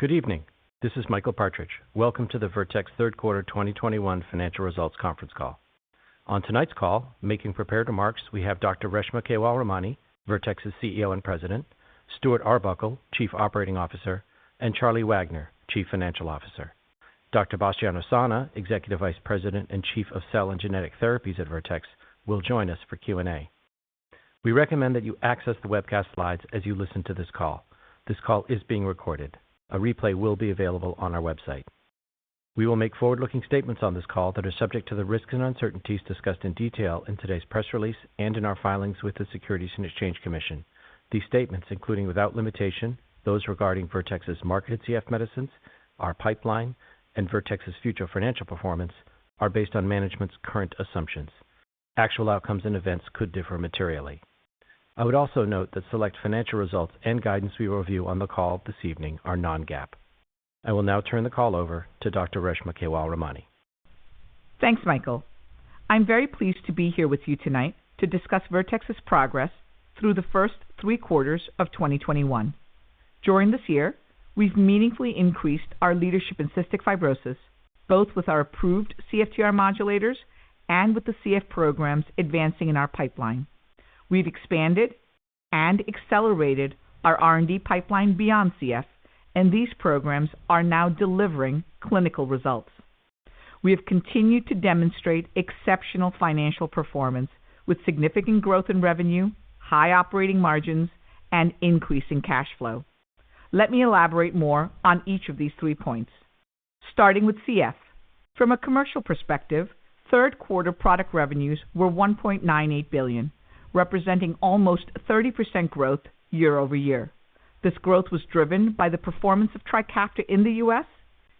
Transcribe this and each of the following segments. Good evening. This is Michael Partridge. Welcome to the Vertex third quarter 2021 financial results conference call. On tonight's call, making prepared remarks, we have Dr. Reshma Kewalramani, Vertex's CEO and President, Stuart Arbuckle, Chief Operating Officer, and Charles Wagner, Chief Financial Officer. Dr. Bastiano Sanna, Executive Vice President and Chief of Cell and Genetic Therapies at Vertex will join us for Q&A. We recommend that you access the webcast slides as you listen to this call. This call is being recorded. A replay will be available on our website. We will make forward-looking statements on this call that are subject to the risks and uncertainties discussed in detail in today's press release and in our filings with the Securities and Exchange Commission. These statements, including without limitation those regarding Vertex's market CF medicines, our pipeline, and Vertex's future financial performance, are based on management's current assumptions. Actual outcomes and events could differ materially. I would also note that select financial results and guidance we review on the call this evening are non-GAAP. I will now turn the call over to Dr. Reshma Kewalramani. Thanks, Michael. I'm very pleased to be here with you tonight to discuss Vertex's progress through the first three quarters of 2021. During this year, we've meaningfully increased our leadership in cystic fibrosis, both with our approved CFTR modulators and with the CF programs advancing in our pipeline. We've expanded and accelerated our R&D pipeline beyond CF, and these programs are now delivering clinical results. We have continued to demonstrate exceptional financial performance with significant growth in revenue, high operating margins, and increasing cash flow. Let me elaborate more on each of these three points. Starting with CF. From a commercial perspective, third quarter product revenues were $1.98 billion, representing almost 30% growth year-over-year. This growth was driven by the performance of TRIKAFTA in the U.S.,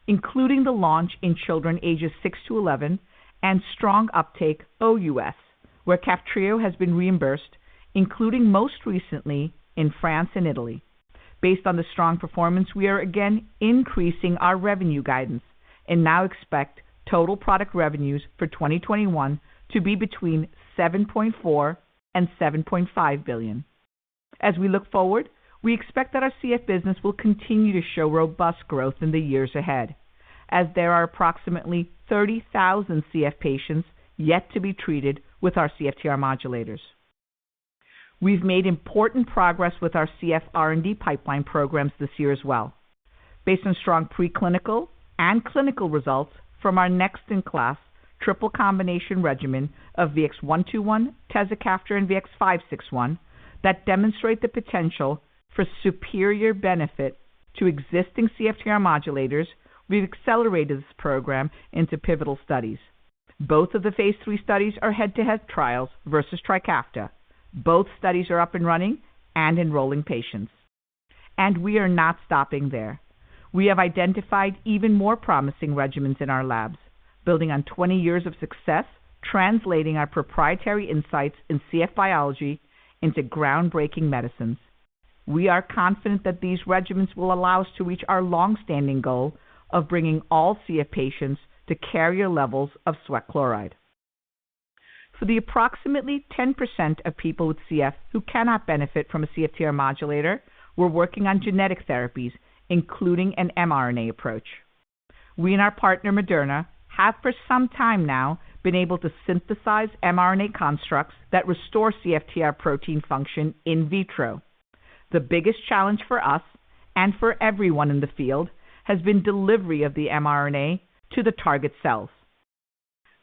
including the launch in children ages six to 11 and strong uptake OUS, where KAFTRIO has been reimbursed, including most recently in France and Italy. Based on the strong performance, we are again increasing our revenue guidance and now expect total product revenues for 2021 to be between $7.4 billion and $7.5 billion. As we look forward, we expect that our CF business will continue to show robust growth in the years ahead as there are approximately 30,000 CF patients yet to be treated with our CFTR modulators. We've made important progress with our CF R&D pipeline programs this year as well. Based on strong preclinical and clinical results from our next in-class triple combination regimen of VX-121, tezacaftor and VX-561 that demonstrate the potential for superior benefit to existing CFTR modulators, we've accelerated this program into pivotal studies. Both of the phase III studies are head-to-head trials versus TRIKAFTA. Both studies are up and running and enrolling patients. We are not stopping there. We have identified even more promising regimens in our labs, building on 20 years of success, translating our proprietary insights in CF biology into groundbreaking medicines. We are confident that these regimens will allow us to reach our longstanding goal of bringing all CF patients to carrier levels of sweat chloride. For the approximately 10% of people with CF who cannot benefit from a CFTR modulator, we're working on genetic therapies, including an mRNA approach. We and our partner, Moderna, have for some time now been able to synthesize mRNA constructs that restore CFTR protein function in vitro. The biggest challenge for us and for everyone in the field has been delivery of the mRNA to the target cells.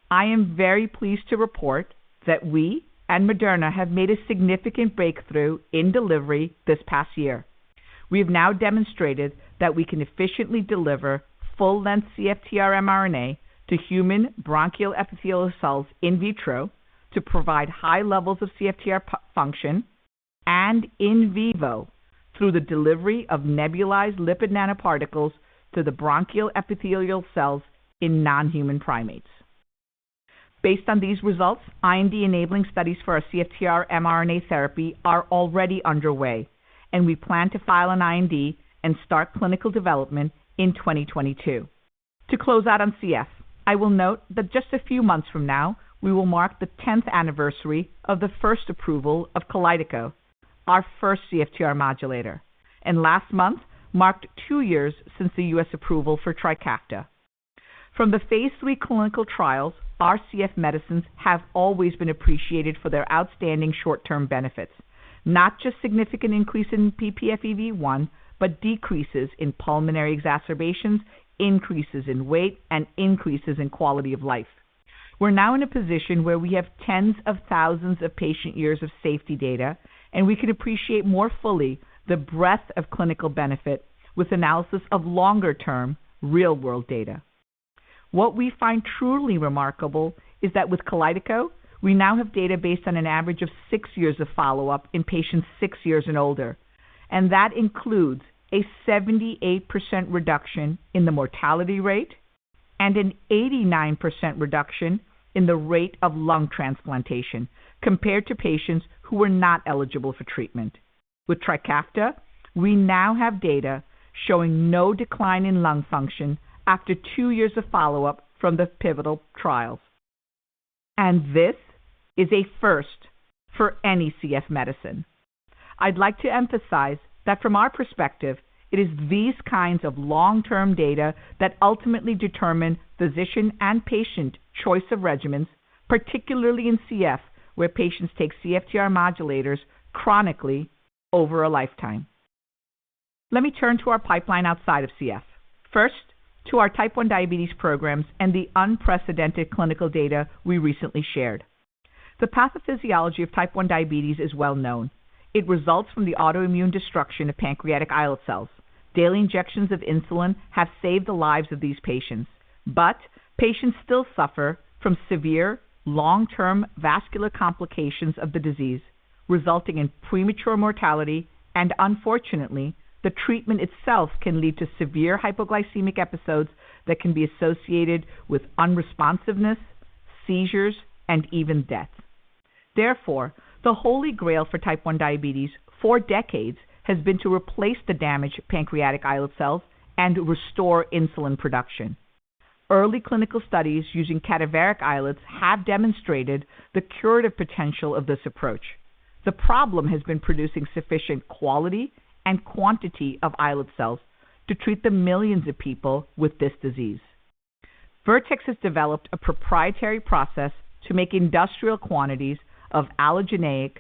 I am very pleased to report that we and Moderna have made a significant breakthrough in delivery this past year. We have now demonstrated that we can efficiently deliver full length CFTR mRNA to human bronchial epithelial cells in vitro to provide high levels of CFTR protein function, and in vivo through the delivery of nebulized lipid nanoparticles to the bronchial epithelial cells in non-human primates. Based on these results, IND-enabling studies for our CFTR mRNA therapy are already underway, and we plan to file an IND and start clinical development in 2022. To close out on CF, I will note that just a few months from now, we will mark the 10th anniversary of the first approval of KALYDECO, our first CFTR modulator. Last month marked two years since the U.S. approval for TRIKAFTA. From the phase III clinical trials, our CF medicines have always been appreciated for their outstanding short-term benefits. Not just significant increase in ppFEV1, but decreases in pulmonary exacerbations, increases in weight, and increases in quality of life. We're now in a position where we have tens of thousands of patient years of safety data, and we can appreciate more fully the breadth of clinical benefit with analysis of longer-term real-world data. What we find truly remarkable is that with KALYDECO, we now have data based on an average of six years of follow-up in patients six years and older, and that includes a 78% reduction in the mortality rate and an 89% reduction in the rate of lung transplantation compared to patients who were not eligible for treatment. With TRIKAFTA, we now have data showing no decline in lung function after two years of follow-up from the pivotal trials. This is a first for any CF medicine. I'd like to emphasize that from our perspective, it is these kinds of long-term data that ultimately determine physician and patient choice of regimens, particularly in CF, where patients take CFTR modulators chronically over a lifetime. Let me turn to our pipeline outside of CF. First, to our type 1 diabetes programs and the unprecedented clinical data we recently shared. The pathophysiology of type 1 diabetes is well known. It results from the autoimmune destruction of pancreatic islet cells. Daily injections of insulin have saved the lives of these patients, but patients still suffer from severe long-term vascular complications of the disease, resulting in premature mortality, and unfortunately, the treatment itself can lead to severe hypoglycemic episodes that can be associated with unresponsiveness, seizures, and even death. Therefore, the holy grail for type 1 diabetes for decades has been to replace the damaged pancreatic islet cells and restore insulin production. Early clinical studies using cadaveric islets have demonstrated the curative potential of this approach. The problem has been producing sufficient quality and quantity of islet cells to treat the millions of people with this disease. Vertex has developed a proprietary process to make industrial quantities of allogeneic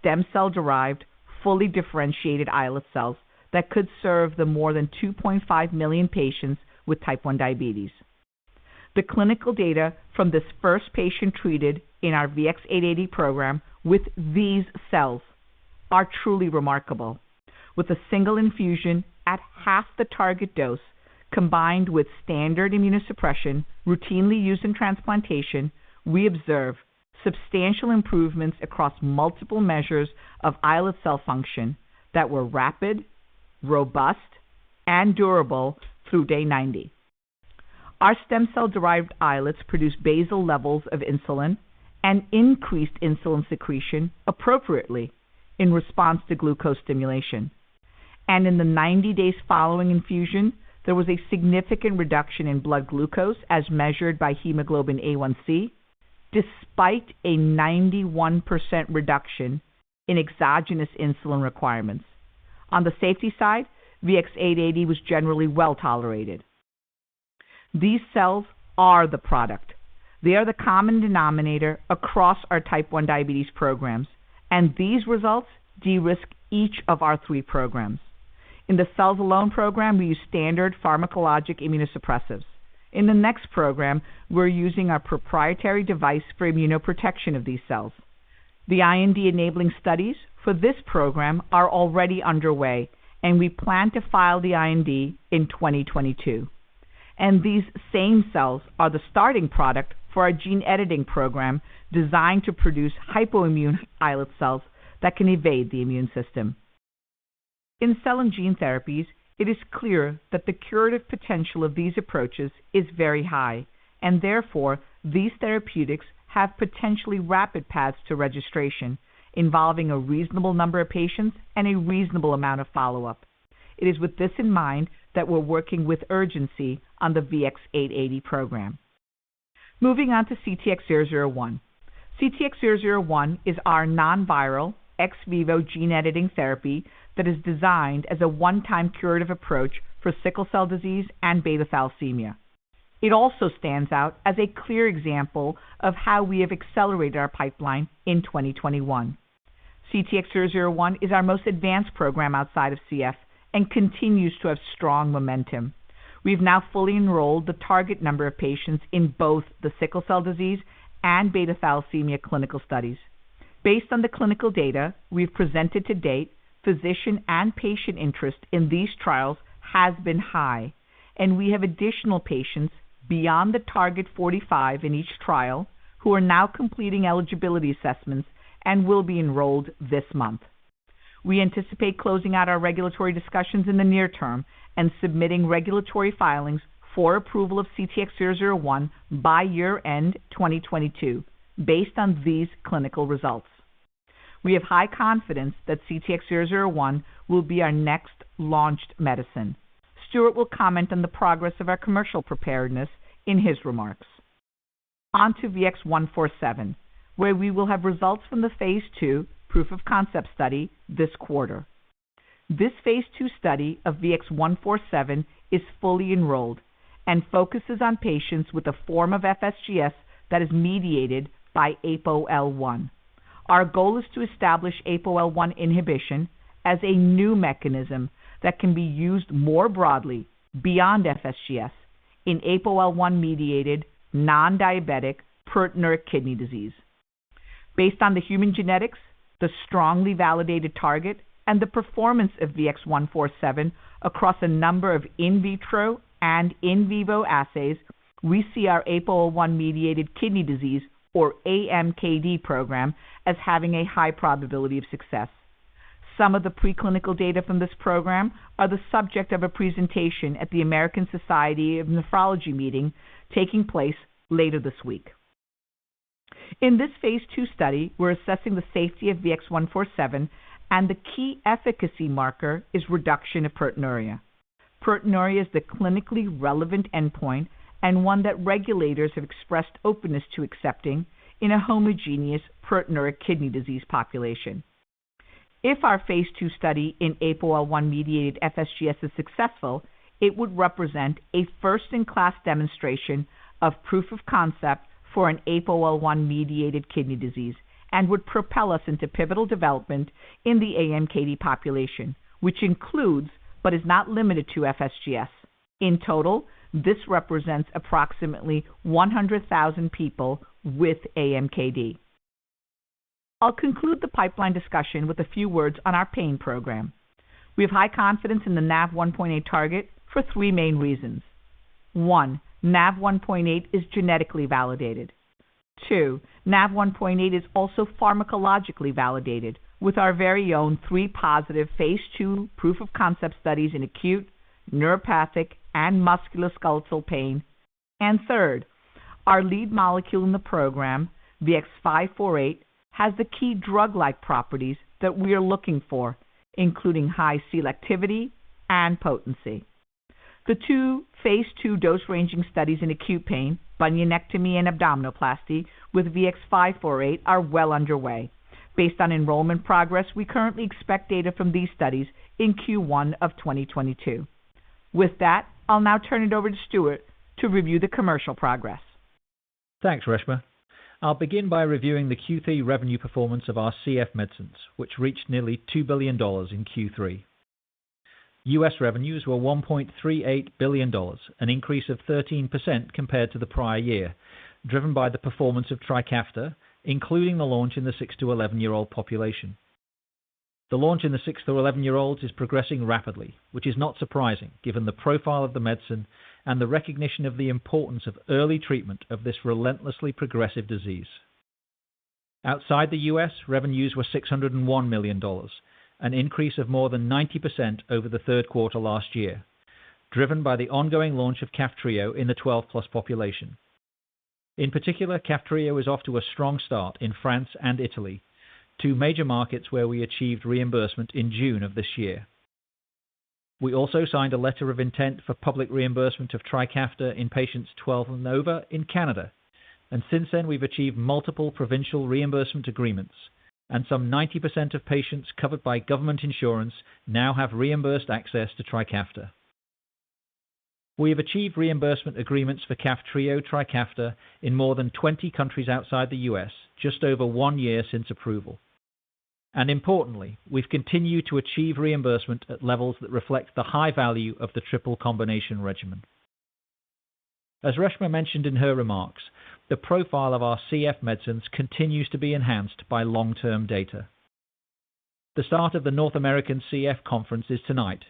stem cell-derived, fully differentiated islet cells that could serve the more than 2.5 million patients with type 1 diabetes. The clinical data from this first patient treated in our VX-880 program with these cells are truly remarkable. With a single infusion at half the target dose, combined with standard immunosuppression routinely used in transplantation, we observe substantial improvements across multiple measures of islet cell function that were rapid, robust, and durable through day 90. Our stem cell-derived islets produce basal levels of insulin and increased insulin secretion appropriately in response to glucose stimulation. In the 90 days following infusion, there was a significant reduction in blood glucose as measured by hemoglobin A1c, despite a 91% reduction in exogenous insulin requirements. On the safety side, VX-880 was generally well-tolerated. These cells are the product. They are the common denominator across our type 1 diabetes programs, and these results de-risk each of our three programs. In the cells alone program, we use standard pharmacologic immunosuppressants. In the next program, we're using our proprietary device for immunoprotection of these cells. The IND-enabling studies for this program are already underway, and we plan to file the IND in 2022. These same cells are the starting product for our gene editing program designed to produce hypoimmune islet cells that can evade the immune system. In cell and gene therapies, it is clear that the curative potential of these approaches is very high, and therefore, these therapeutics have potentially rapid paths to registration involving a reasonable number of patients and a reasonable amount of follow-up. It is with this in mind that we're working with urgency on the VX-880 program. Moving on to CTX001. CTX001 is our non-viral ex vivo gene editing therapy that is designed as a one-time curative approach for sickle cell disease and beta thalassemia. It also stands out as a clear example of how we have accelerated our pipeline in 2021. CTX001 is our most advanced program outside of CF and continues to have strong momentum. We've now fully enrolled the target number of patients in both the sickle cell disease and beta thalassemia clinical studies. Based on the clinical data we've presented to date, physician and patient interest in these trials has been high, and we have additional patients beyond the target 45 in each trial who are now completing eligibility assessments and will be enrolled this month. We anticipate closing out our regulatory discussions in the near term and submitting regulatory filings for approval of CTX001 by year-end 2022 based on these clinical results. We have high confidence that CTX001 will be our next launched medicine. Stuart will comment on the progress of our commercial preparedness in his remarks. On to VX-147, where we will have results from the phase II proof of concept study this quarter. This phase II study of VX-147 is fully enrolled and focuses on patients with a form of FSGS that is mediated by APOL1. Our goal is to establish APOL1 inhibition as a new mechanism that can be used more broadly beyond FSGS in APOL1-mediated non-diabetic proteinuric kidney disease. Based on the human genetics, the strongly validated target, and the performance of VX-147 across a number of in vitro and in vivo assays, we see our APOL1-mediated kidney disease or AMKD program as having a high probability of success. Some of the preclinical data from this program are the subject of a presentation at the American Society of Nephrology meeting taking place later this week. In this phase II study, we're assessing the safety of VX-147, and the key efficacy marker is reduction of proteinuria. Proteinuria is the clinically relevant endpoint and one that regulators have expressed openness to accepting in a homogeneous proteinuric kidney disease population. If our phase II study in APOL1-mediated FSGS is successful, it would represent a first-in-class demonstration of proof of concept for an APOL1-mediated kidney disease and would propel us into pivotal development in the AMKD population, which includes but is not limited to FSGS. In total, this represents approximately 100,000 people with AMKD. I'll conclude the pipeline discussion with a few words on our pain program. We have high confidence in the NaV1.8 target for three main reasons. One, NaV1.8 is genetically validated. Two, NaV1.8 is also pharmacologically validated with our very own three positive phase II proof of concept studies in acute, neuropathic, and musculoskeletal pain. Third, our lead molecule in the program, VX-548, has the key drug-like properties that we are looking for, including high selectivity and potency. The two phase II dose-ranging studies in acute pain, bunionectomy and abdominoplasty, with VX-548 are well underway. Based on enrollment progress, we currently expect data from these studies in Q1 2022. With that, I'll now turn it over to Stuart to review the commercial progress. Thanks, Reshma. I'll begin by reviewing the Q3 revenue performance of our CF medicines, which reached nearly $2 billion in Q3. U.S. revenues were $1.38 billion, an increase of 13% compared to the prior year, driven by the performance of TRIKAFTA, including the launch in the six-to-11-year-old population. The launch in the six-to-11-year-olds is progressing rapidly, which is not surprising given the profile of the medicine and the recognition of the importance of early treatment of this relentlessly progressive disease. Outside the U.S., revenues were $601 million, an increase of more than 90% over the third quarter last year, driven by the ongoing launch of KAFTRIO in the 12-plus population. In particular, KAFTRIO is off to a strong start in France and Italy, two major markets where we achieved reimbursement in June of this year. We also signed a letter of intent for public reimbursement of TRIKAFTA in patients 12 and over in Canada. Since then we've achieved multiple provincial reimbursement agreements, and some 90% of patients covered by government insurance now have reimbursed access to TRIKAFTA. We have achieved reimbursement agreements for Kaftrio, TRIKAFTA in more than 20 countries outside the U.S. just over one year since approval. Importantly, we've continued to achieve reimbursement at levels that reflect the high value of the triple combination regimen. As Reshma mentioned in her remarks, the profile of our CF medicines continues to be enhanced by long-term data. The start of the North American CF Conference is tonight,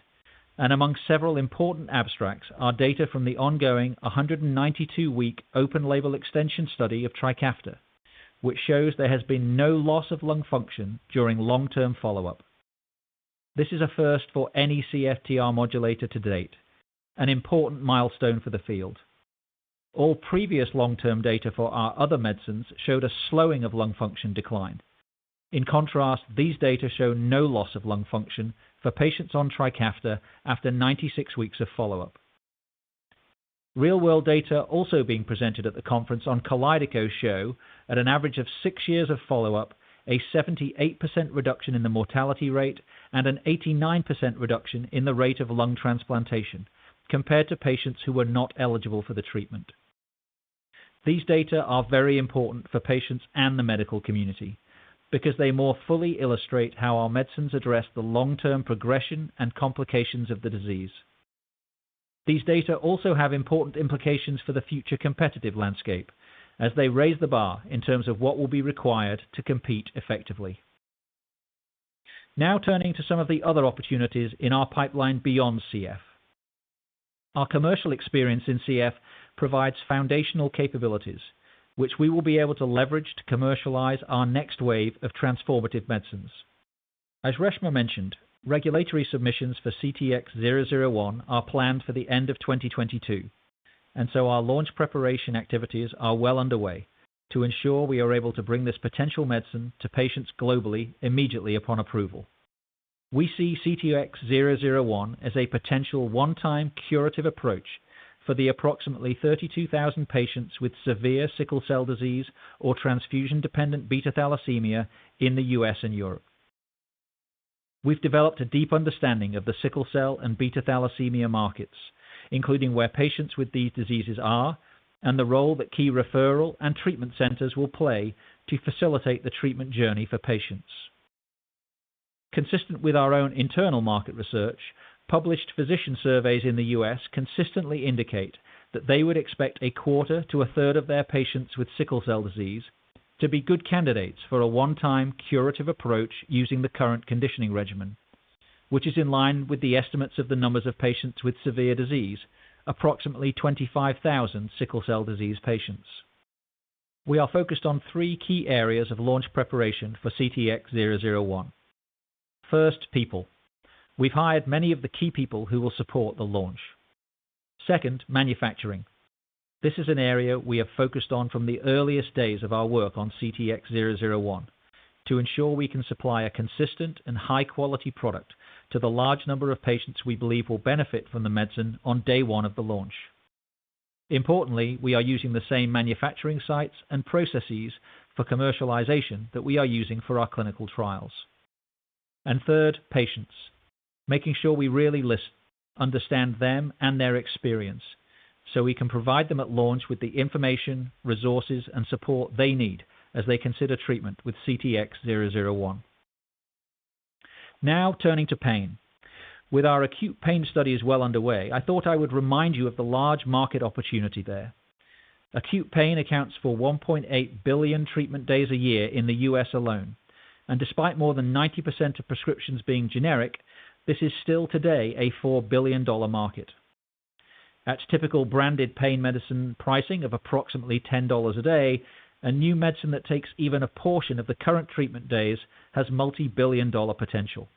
and among several important abstracts are data from the ongoing 192-week open label extension study of TRIKAFTA, which shows there has been no loss of lung function during long-term follow-up. This is a first for any CFTR modulator to date, an important milestone for the field. All previous long-term data for our other medicines showed a slowing of lung function decline. In contrast, these data show no loss of lung function for patients on TRIKAFTA after 96 weeks of follow-up. Real world data also being presented at the conference on KALYDECO show at an average of six years of follow-up, a 78% reduction in the mortality rate and an 89% reduction in the rate of lung transplantation compared to patients who were not eligible for the treatment. These data are very important for patients and the medical community because they more fully illustrate how our medicines address the long-term progression and complications of the disease. These data also have important implications for the future competitive landscape as they raise the bar in terms of what will be required to compete effectively. Now turning to some of the other opportunities in our pipeline beyond CF. Our commercial experience in CF provides foundational capabilities, which we will be able to leverage to commercialize our next wave of transformative medicines. As Reshma mentioned, regulatory submissions for CTX001 are planned for the end of 2022, and so our launch preparation activities are well underway to ensure we are able to bring this potential medicine to patients globally immediately upon approval. We see CTX001 as a potential one-time curative approach for the approximately 32,000 patients with severe sickle cell disease or transfusion-dependent beta thalassemia in the U.S. and Europe. We've developed a deep understanding of the sickle cell and beta thalassemia markets, including where patients with these diseases are and the role that key referral and treatment centers will play to facilitate the treatment journey for patients. Consistent with our own internal market research, published physician surveys in the U.S. consistently indicate that they would expect a quarter to a third of their patients with sickle cell disease to be good candidates for a one-time curative approach using the current conditioning regimen, which is in line with the estimates of the numbers of patients with severe disease, approximately 25,000 sickle cell disease patients. We are focused on three key areas of launch preparation for CTX001. First, people. We've hired many of the key people who will support the launch. Second, manufacturing. This is an area we have focused on from the earliest days of our work on CTX001 to ensure we can supply a consistent and high-quality product to the large number of patients we believe will benefit from the medicine on day one of the launch. Importantly, we are using the same manufacturing sites and processes for commercialization that we are using for our clinical trials. Third, patients. Making sure we really listen, understand them and their experience, so we can provide them at launch with the information, resources, and support they need as they consider treatment with CTX001. Now turning to pain. With our acute pain studies well underway, I thought I would remind you of the large market opportunity there. Acute pain accounts for 1.8 billion treatment days a year in the U.S. alone, and despite more than 90% of prescriptions being generic, this is still today a $4 billion market. At typical branded pain medicine pricing of approximately $10 a day, a new medicine that takes even a portion of the current treatment days has multi-billion dollar potential.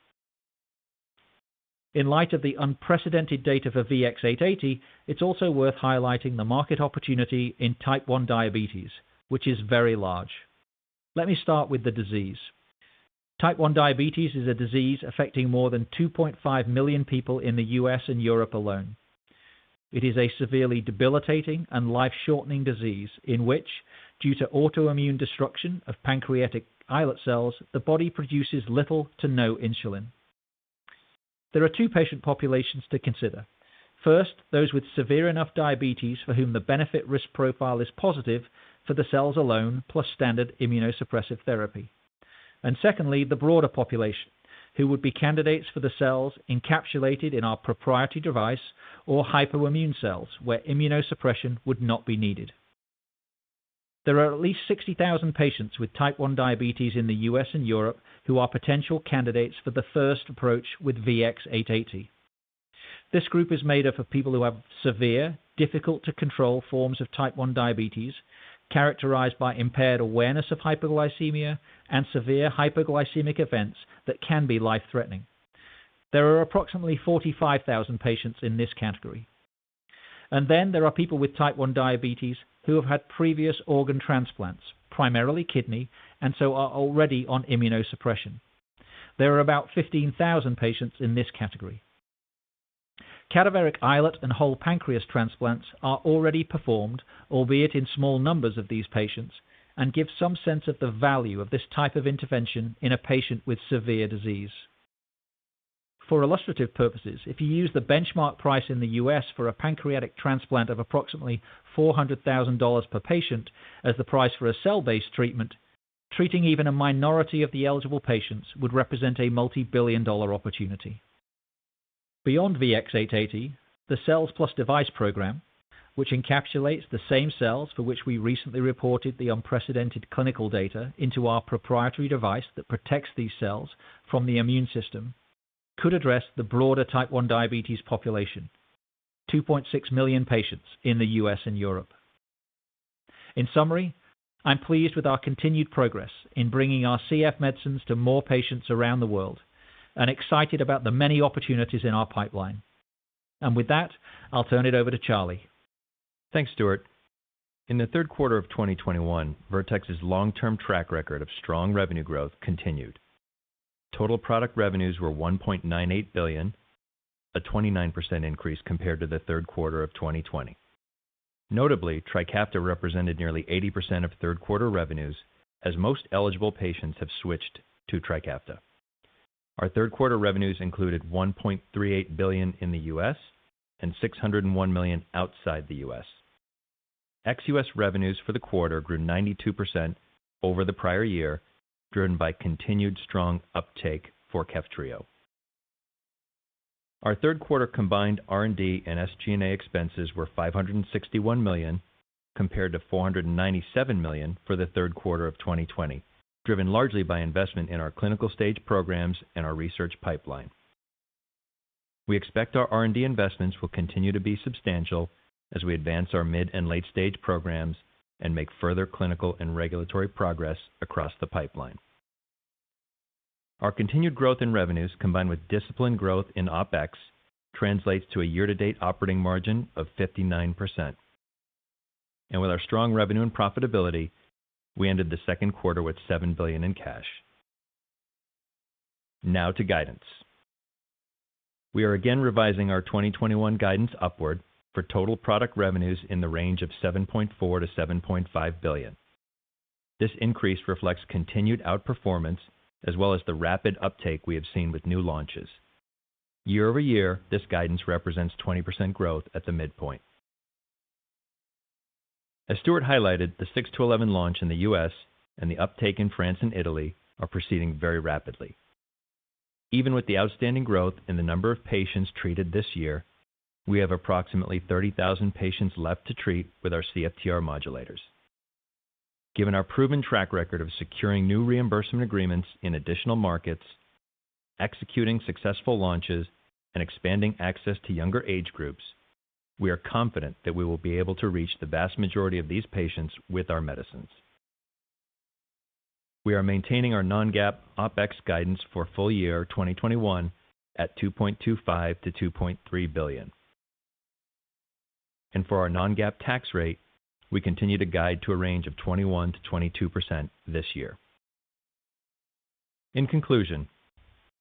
In light of the unprecedented data for VX-880, it's also worth highlighting the market opportunity in type 1 diabetes, which is very large. Let me start with the disease. Type 1 diabetes is a disease affecting more than 2.5 million people in the U.S. and Europe alone. It is a severely debilitating and life-shortening disease in which, due to autoimmune destruction of pancreatic islet cells, the body produces little to no insulin. There are two patient populations to consider. First, those with severe enough diabetes for whom the benefit risk profile is positive for the cells alone plus standard immunosuppressive therapy. Secondly, the broader population, who would be candidates for the cells encapsulated in our proprietary device or hypoimmune cells where immunosuppression would not be needed. There are at least 60,000 patients with type 1 diabetes in the U.S. and Europe who are potential candidates for the first approach with VX-880. This group is made up of people who have severe, difficult to control forms of type 1 diabetes, characterized by impaired awareness of hypoglycemia and severe hypoglycemic events that can be life-threatening. There are approximately 45,000 patients in this category. Then there are people with type 1 diabetes who have had previous organ transplants, primarily kidney, and so are already on immunosuppression. There are about 15,000 patients in this category. Cadaveric islet and whole pancreas transplants are already performed, albeit in small numbers of these patients, and give some sense of the value of this type of intervention in a patient with severe disease. For illustrative purposes, if you use the benchmark price in the U.S. for a pancreatic transplant of approximately $400,000 per patient as the price for a cell-based treatment, treating even a minority of the eligible patients would represent a multi-billion-dollar opportunity. Beyond VX-880, the Cells Plus Device program, which encapsulates the same cells for which we recently reported the unprecedented clinical data into our proprietary device that protects these cells from the immune system, could address the broader Type 1 diabetes population, 2.6 million patients in the U.S. and Europe. In summary, I'm pleased with our continued progress in bringing our CF medicines to more patients around the world and excited about the many opportunities in our pipeline. With that, I'll turn it over to Charlie. Thanks, Stuart. In the third quarter of 2021, Vertex's long-term track record of strong revenue growth continued. Total product revenues were $1.98 billion, a 29% increase compared to the third quarter of 2020. Notably, TRIKAFTA represented nearly 80% of third quarter revenues as most eligible patients have switched to TRIKAFTA. Our third quarter revenues included $1.38 billion in the U.S. and $601 million outside the U.S. Ex-U.S. revenues for the quarter grew 92% over the prior year, driven by continued strong uptake for KAFTRIO. Our third quarter combined R&D and SG&A expenses were $561 million compared to $497 million for the third quarter of 2020, driven largely by investment in our clinical stage programs and our research pipeline. We expect our R&D investments will continue to be substantial as we advance our mid- and late-stage programs and make further clinical and regulatory progress across the pipeline. Our continued growth in revenues combined with disciplined growth in OpEx translates to a year-to-date operating margin of 59%. With our strong revenue and profitability, we ended the second quarter with $7 billion in cash. Now to guidance. We are again revising our 2021 guidance upward for total product revenues in the range of $7.4 billion-$7.5 billion. This increase reflects continued outperformance as well as the rapid uptake we have seen with new launches. Year-over-year, this guidance represents 20% growth at the midpoint. As Stuart highlighted, the six-to-11 launch in the U.S. and the uptake in France and Italy are proceeding very rapidly. Even with the outstanding growth in the number of patients treated this year, we have approximately 30,000 patients left to treat with our CFTR modulators. Given our proven track record of securing new reimbursement agreements in additional markets, executing successful launches, and expanding access to younger age groups, we are confident that we will be able to reach the vast majority of these patients with our medicines. We are maintaining our non-GAAP OpEx guidance for full year 2021 at $2.25 billion-$2.3 billion. For our non-GAAP tax rate, we continue to guide to a range of 21%-22% this year. In conclusion,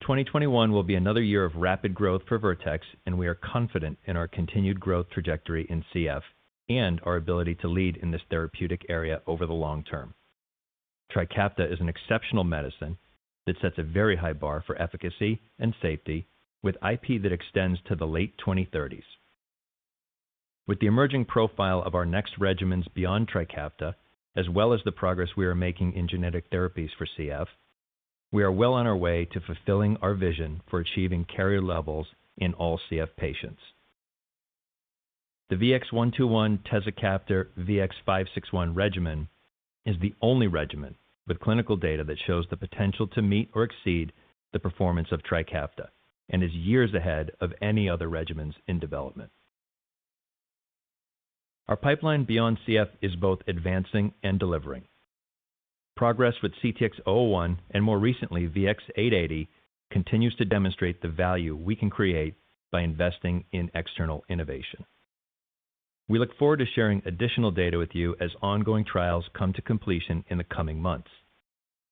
2021 will be another year of rapid growth for Vertex, and we are confident in our continued growth trajectory in CF and our ability to lead in this therapeutic area over the long term. TRIKAFTA is an exceptional medicine that sets a very high bar for efficacy and safety with IP that extends to the late 2030s. With the emerging profile of our next regimens beyond TRIKAFTA, as well as the progress we are making in genetic therapies for CF, we are well on our way to fulfilling our vision for achieving corrector levels in all CF patients. The VX-121 tezacaftor VX-561 regimen is the only regimen with clinical data that shows the potential to meet or exceed the performance of TRIKAFTA and is years ahead of any other regimens in development. Our pipeline beyond CF is both advancing and delivering. Progress with CTX001 and more recently, VX-880, continues to demonstrate the value we can create by investing in external innovation. We look forward to sharing additional data with you as ongoing trials come to completion in the coming months.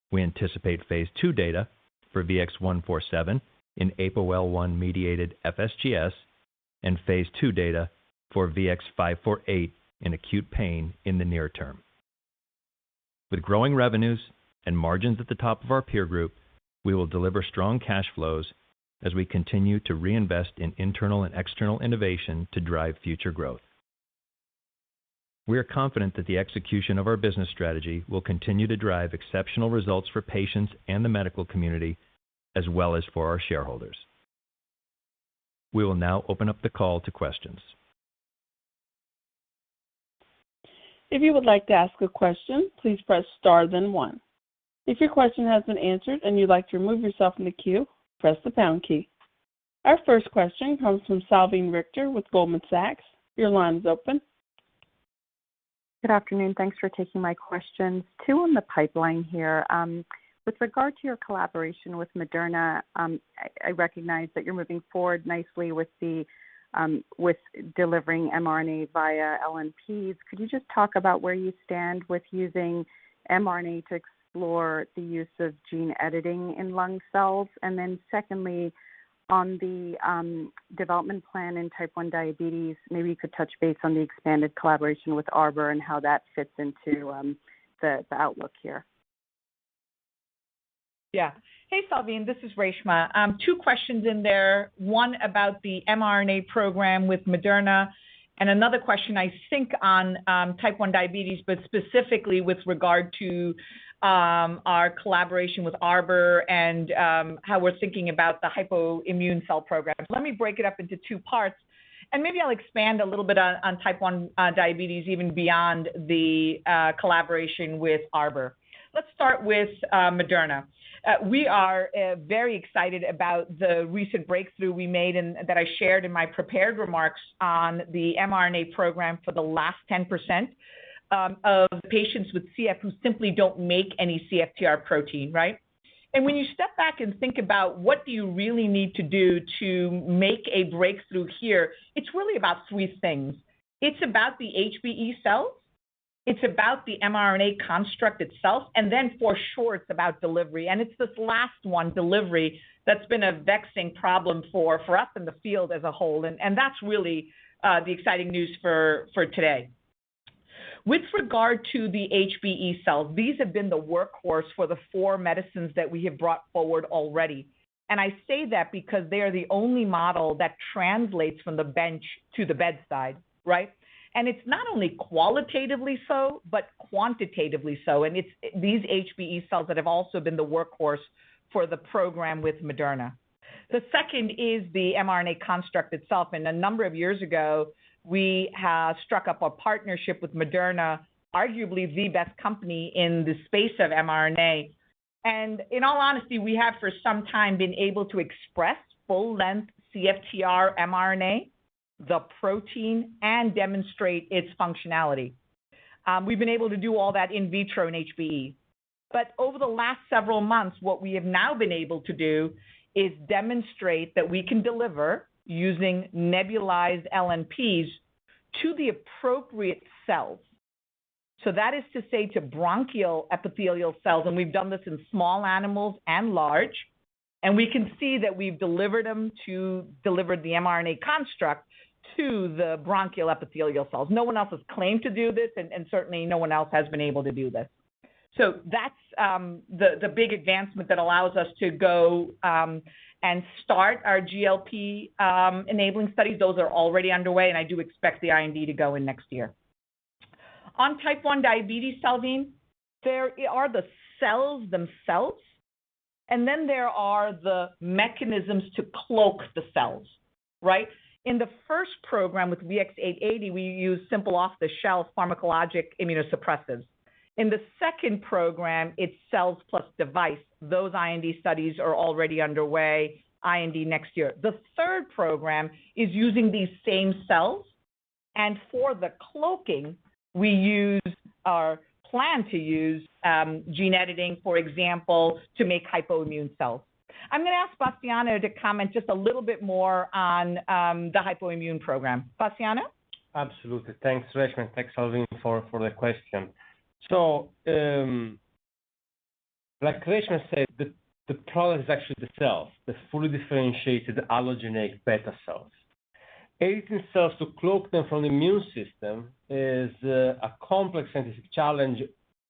We anticipate phase II data for VX-147 in APOL1-mediated FSGS and phase II data for VX-548 in acute pain in the near term. With growing revenues and margins at the top of our peer group, we will deliver strong cash flows as we continue to reinvest in internal and external innovation to drive future growth. We are confident that the execution of our business strategy will continue to drive exceptional results for patients and the medical community, as well as for our shareholders. We will now open up the call to questions. If you would like to ask a question please press star then one, if your question has an answer and you like to remove yourself from the queue press the pound key. Our first question comes from Salveen Richter with Goldman Sachs. Your line's open. Good afternoon. Thanks for taking my questions. Two on the pipeline here. With regard to your collaboration with Moderna, I recognize that you're moving forward nicely with delivering mRNA via LNPs. Could you just talk about where you stand with using mRNA to explore the use of gene editing in lung cells? Secondly, on the development plan in type 1 diabetes, maybe you could touch base on the expanded collaboration with Arbor and how that fits into the outlook here. Yeah. Hey, Salveen Richter, this is Reshma Kewalramani. Two questions in there. One about the mRNA program with Moderna, and another question I think on type 1 diabetes, but specifically with regard to our collaboration with Arbor and how we're thinking about the hypoimmune cell programs. Let me break it up into two parts, and maybe I'll expand a little bit on type 1 diabetes, even beyond the collaboration with Arbor. Let's start with Moderna. We are very excited about the recent breakthrough we made and that I shared in my prepared remarks on the mRNA program for the last 10% of patients with CF who simply don't make any CFTR protein, right? When you step back and think about what do you really need to do to make a breakthrough here, it's really about three things. It's about the HBE cells, it's about the mRNA construct itself, and then for sure it's about delivery. It's this last one, delivery, that's been a vexing problem for us in the field as a whole. That's really the exciting news for today. With regard to the HBE cells, these have been the workhorse for the four medicines that we have brought forward already. I say that because they are the only model that translates from the bench to the bedside, right? It's not only qualitatively so, but quantitatively so. It's these HBE cells that have also been the workhorse for the program with Moderna. The second is the mRNA construct itself. A number of years ago, we have struck up a partnership with Moderna, arguably the best company in the space of mRNA. In all honesty, we have for some time been able to express full length CFTR mRNA, the protein, and demonstrate its functionality. We've been able to do all that in vitro in HBE. Over the last several months, what we have now been able to do is demonstrate that we can deliver using nebulized LNPs to the appropriate cells. That is to say, to bronchial epithelial cells, and we've done this in small animals and large, and we can see that we've delivered them to deliver the mRNA construct to the bronchial epithelial cells. No one else has claimed to do this, and certainly no one else has been able to do this. That's the big advancement that allows us to go and start our GLP enabling studies. Those are already underway, and I do expect the IND to go in next year. On type 1 diabetes, Salveen, there are the cells themselves, and then there are the mechanisms to cloak the cells, right? In the first program with VX-880, we use simple off-the-shelf pharmacologic immunosuppressants. In the second program, it's cells plus device. Those IND studies are already underway, IND next year. The third program is using these same cells. For the cloaking, we use or plan to use gene editing, for example, to make hypoimmune cells. I'm gonna ask Bastiano to comment just a little bit more on the hypoimmune program. Bastiano? Absolutely. Thanks, Reshma, and thanks, Salveen, for the question. Like Reshma said, the product is actually the cells, the fully differentiated allogeneic beta cells. Editing cells to cloak them from the immune system is a complex and a challenge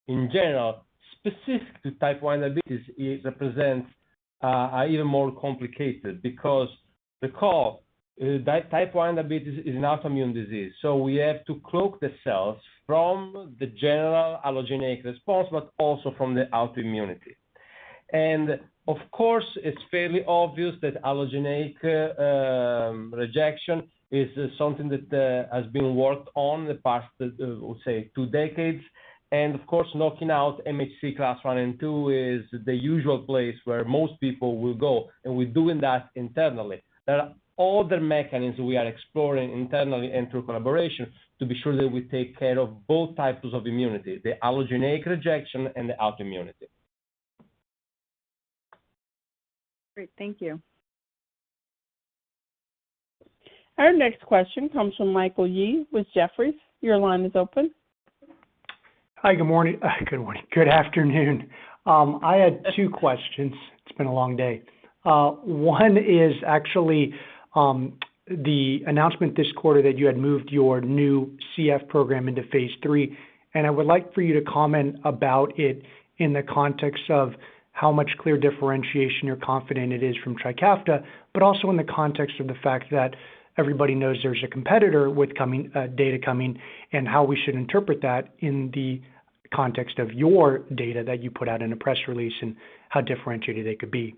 in general. Specific to type 1 diabetes, it represents even more complicated because the core is type 1 diabetes is an autoimmune disease, so we have to cloak the cells from the general allogeneic response, but also from the autoimmunity. Of course, it's fairly obvious that allogeneic rejection is something that has been worked on in the past, we'll say two decades. Of course, knocking out MHC class I and II is the usual place where most people will go, and we're doing that internally. There are other mechanisms we are exploring internally and through collaboration to be sure that we take care of both types of immunity, the allogeneic rejection and the autoimmunity. Great, thank you. Our next question comes from Michael Yee with Jefferies. Your line is open. Hi, good morning. Good afternoon. I had two questions. It's been a long day. One is actually the announcement this quarter that you had moved your new CF program into phase III, and I would like for you to comment about it in the context of how much clear differentiation you're confident it is from TRIKAFTA, but also in the context of the fact that everybody knows there's a competitor with data coming, and how we should interpret that in the context of your data that you put out in a press release and how differentiated they could be.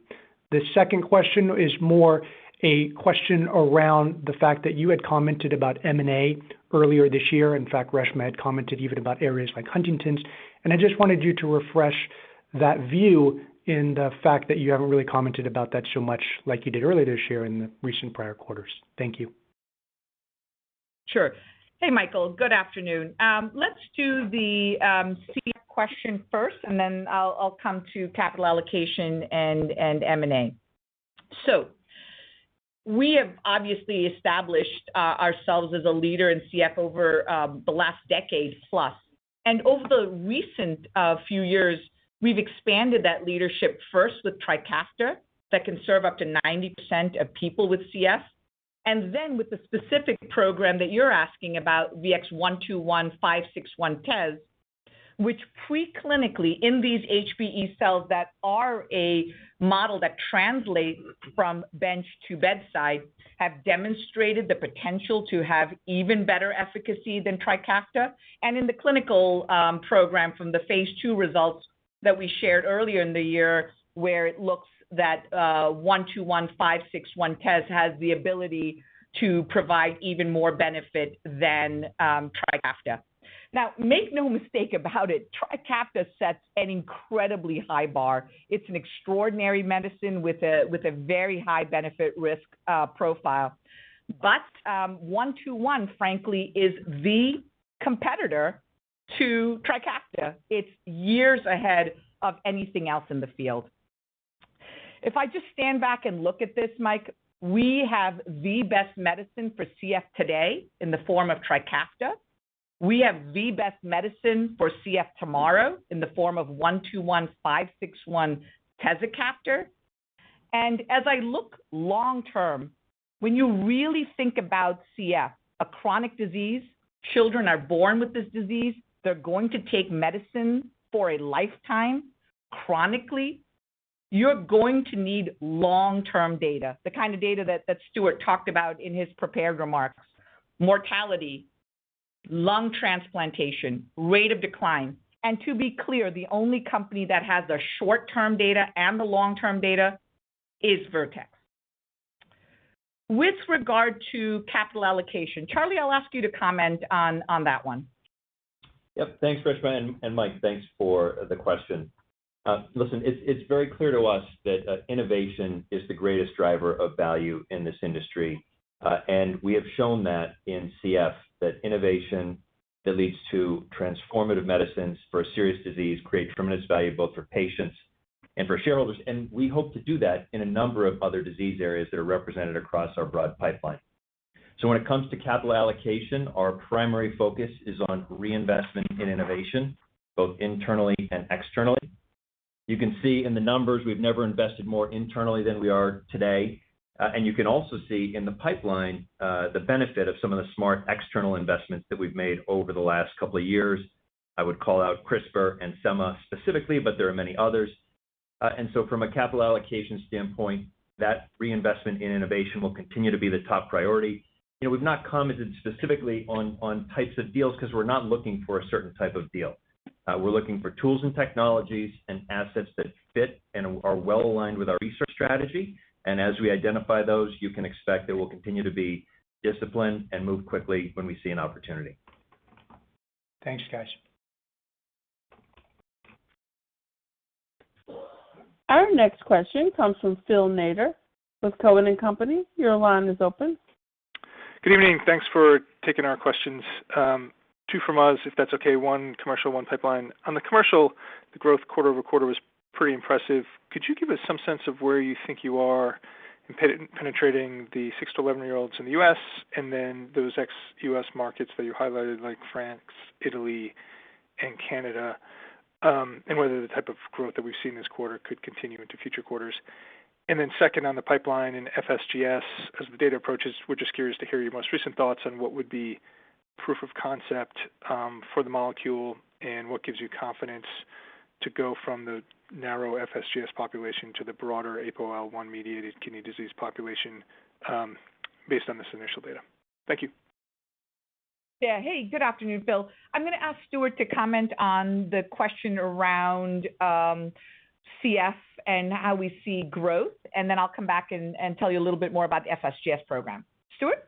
The second question is more a question around the fact that you had commented about M&A earlier this year. In fact, Reshma had commented even about areas like Huntington's, and I just wanted you to refresh that view given the fact that you haven't really commented about that so much like you did earlier this year in the recent prior quarters. Thank you. Sure. Hey, Michael. Good afternoon. Let's do the CF question first, and then I'll come to capital allocation and M&A. We have obviously established ourselves as a leader in CF over the last decade plus. Over the recent few years, we've expanded that leadership first with TRIKAFTA that can serve up to 90% of people with CF. Then with the specific program that you're asking about, VX-121-561-tez, which pre-clinically in these HBE cells that are a model that translate from bench to bedside, have demonstrated the potential to have even better efficacy than TRIKAFTA. In the clinical program from the phase II results that we shared earlier in the year, where it looks that 121-561-tez has the ability to provide even more benefit than TRIKAFTA. Now, make no mistake about it, TRIKAFTA sets an incredibly high bar. It's an extraordinary medicine with a very high benefit risk profile. VX-121, frankly, is the competitor to TRIKAFTA. It's years ahead of anything else in the field. If I just stand back and look at this, Mike, we have the best medicine for CF today in the form of TRIKAFTA. We have the best medicine for CF tomorrow in the form of VX-121, VX-561, tezacaftor. As I look long term, when you really think about CF, a chronic disease, children are born with this disease, they're going to take medicine for a lifetime, chronically. You're going to need long-term data, the kind of data that Stuart talked about in his prepared remarks. Mortality, lung transplantation, rate of decline. To be clear, the only company that has the short-term data and the long-term data is Vertex. With regard to capital allocation, Charlie, I'll ask you to comment on that one. Yep. Thanks, Reshma and Mike, thanks for the question. Listen, it's very clear to us that innovation is the greatest driver of value in this industry, and we have shown that in CF, that innovation that leads to transformative medicines for a serious disease create tremendous value both for patients and for shareholders. We hope to do that in a number of other disease areas that are represented across our broad pipeline. When it comes to capital allocation, our primary focus is on reinvestment in innovation, both internally and externally. You can see in the numbers we've never invested more internally than we are today. You can also see in the pipeline the benefit of some of the smart external investments that we've made over the last couple of years. I would call out CRISPR and Semma specifically, but there are many others. From a capital allocation standpoint, that reinvestment in innovation will continue to be the top priority. We've not commented specifically on types of deals because we're not looking for a certain type of deal. We're looking for tools and technologies and assets that fit and are well-aligned with our research strategy. As we identify those, you can expect that we'll continue to be disciplined and move quickly when we see an opportunity. Thanks, guys. Our next question comes from Phil Nadeau with Cowen and Company. Your line is open. Good evening. Thanks for taking our questions. Two from us, if that's okay. One commercial, one pipeline. On the commercial, the growth quarter-over-quarter was pretty impressive. Could you give us some sense of where you think you are in penetrating the six to 11-year-olds in the U.S. and then those ex-U.S. markets that you highlighted, like France, Italy, and Canada, and whether the type of growth that we've seen this quarter could continue into future quarters? Second, on the pipeline in FSGS, as the data approaches, we're just curious to hear your most recent thoughts on what would be proof of concept for the molecule and what gives you confidence to go from the narrow FSGS population to the broader APOL1-mediated kidney disease population, based on this initial data. Thank you. Yeah. Hey, good afternoon, Phil Nadeau. I'm gonna ask Stuart to comment on the question around CF and how we see growth, and then I'll come back and tell you a little bit more about the FSGS program. Stuart?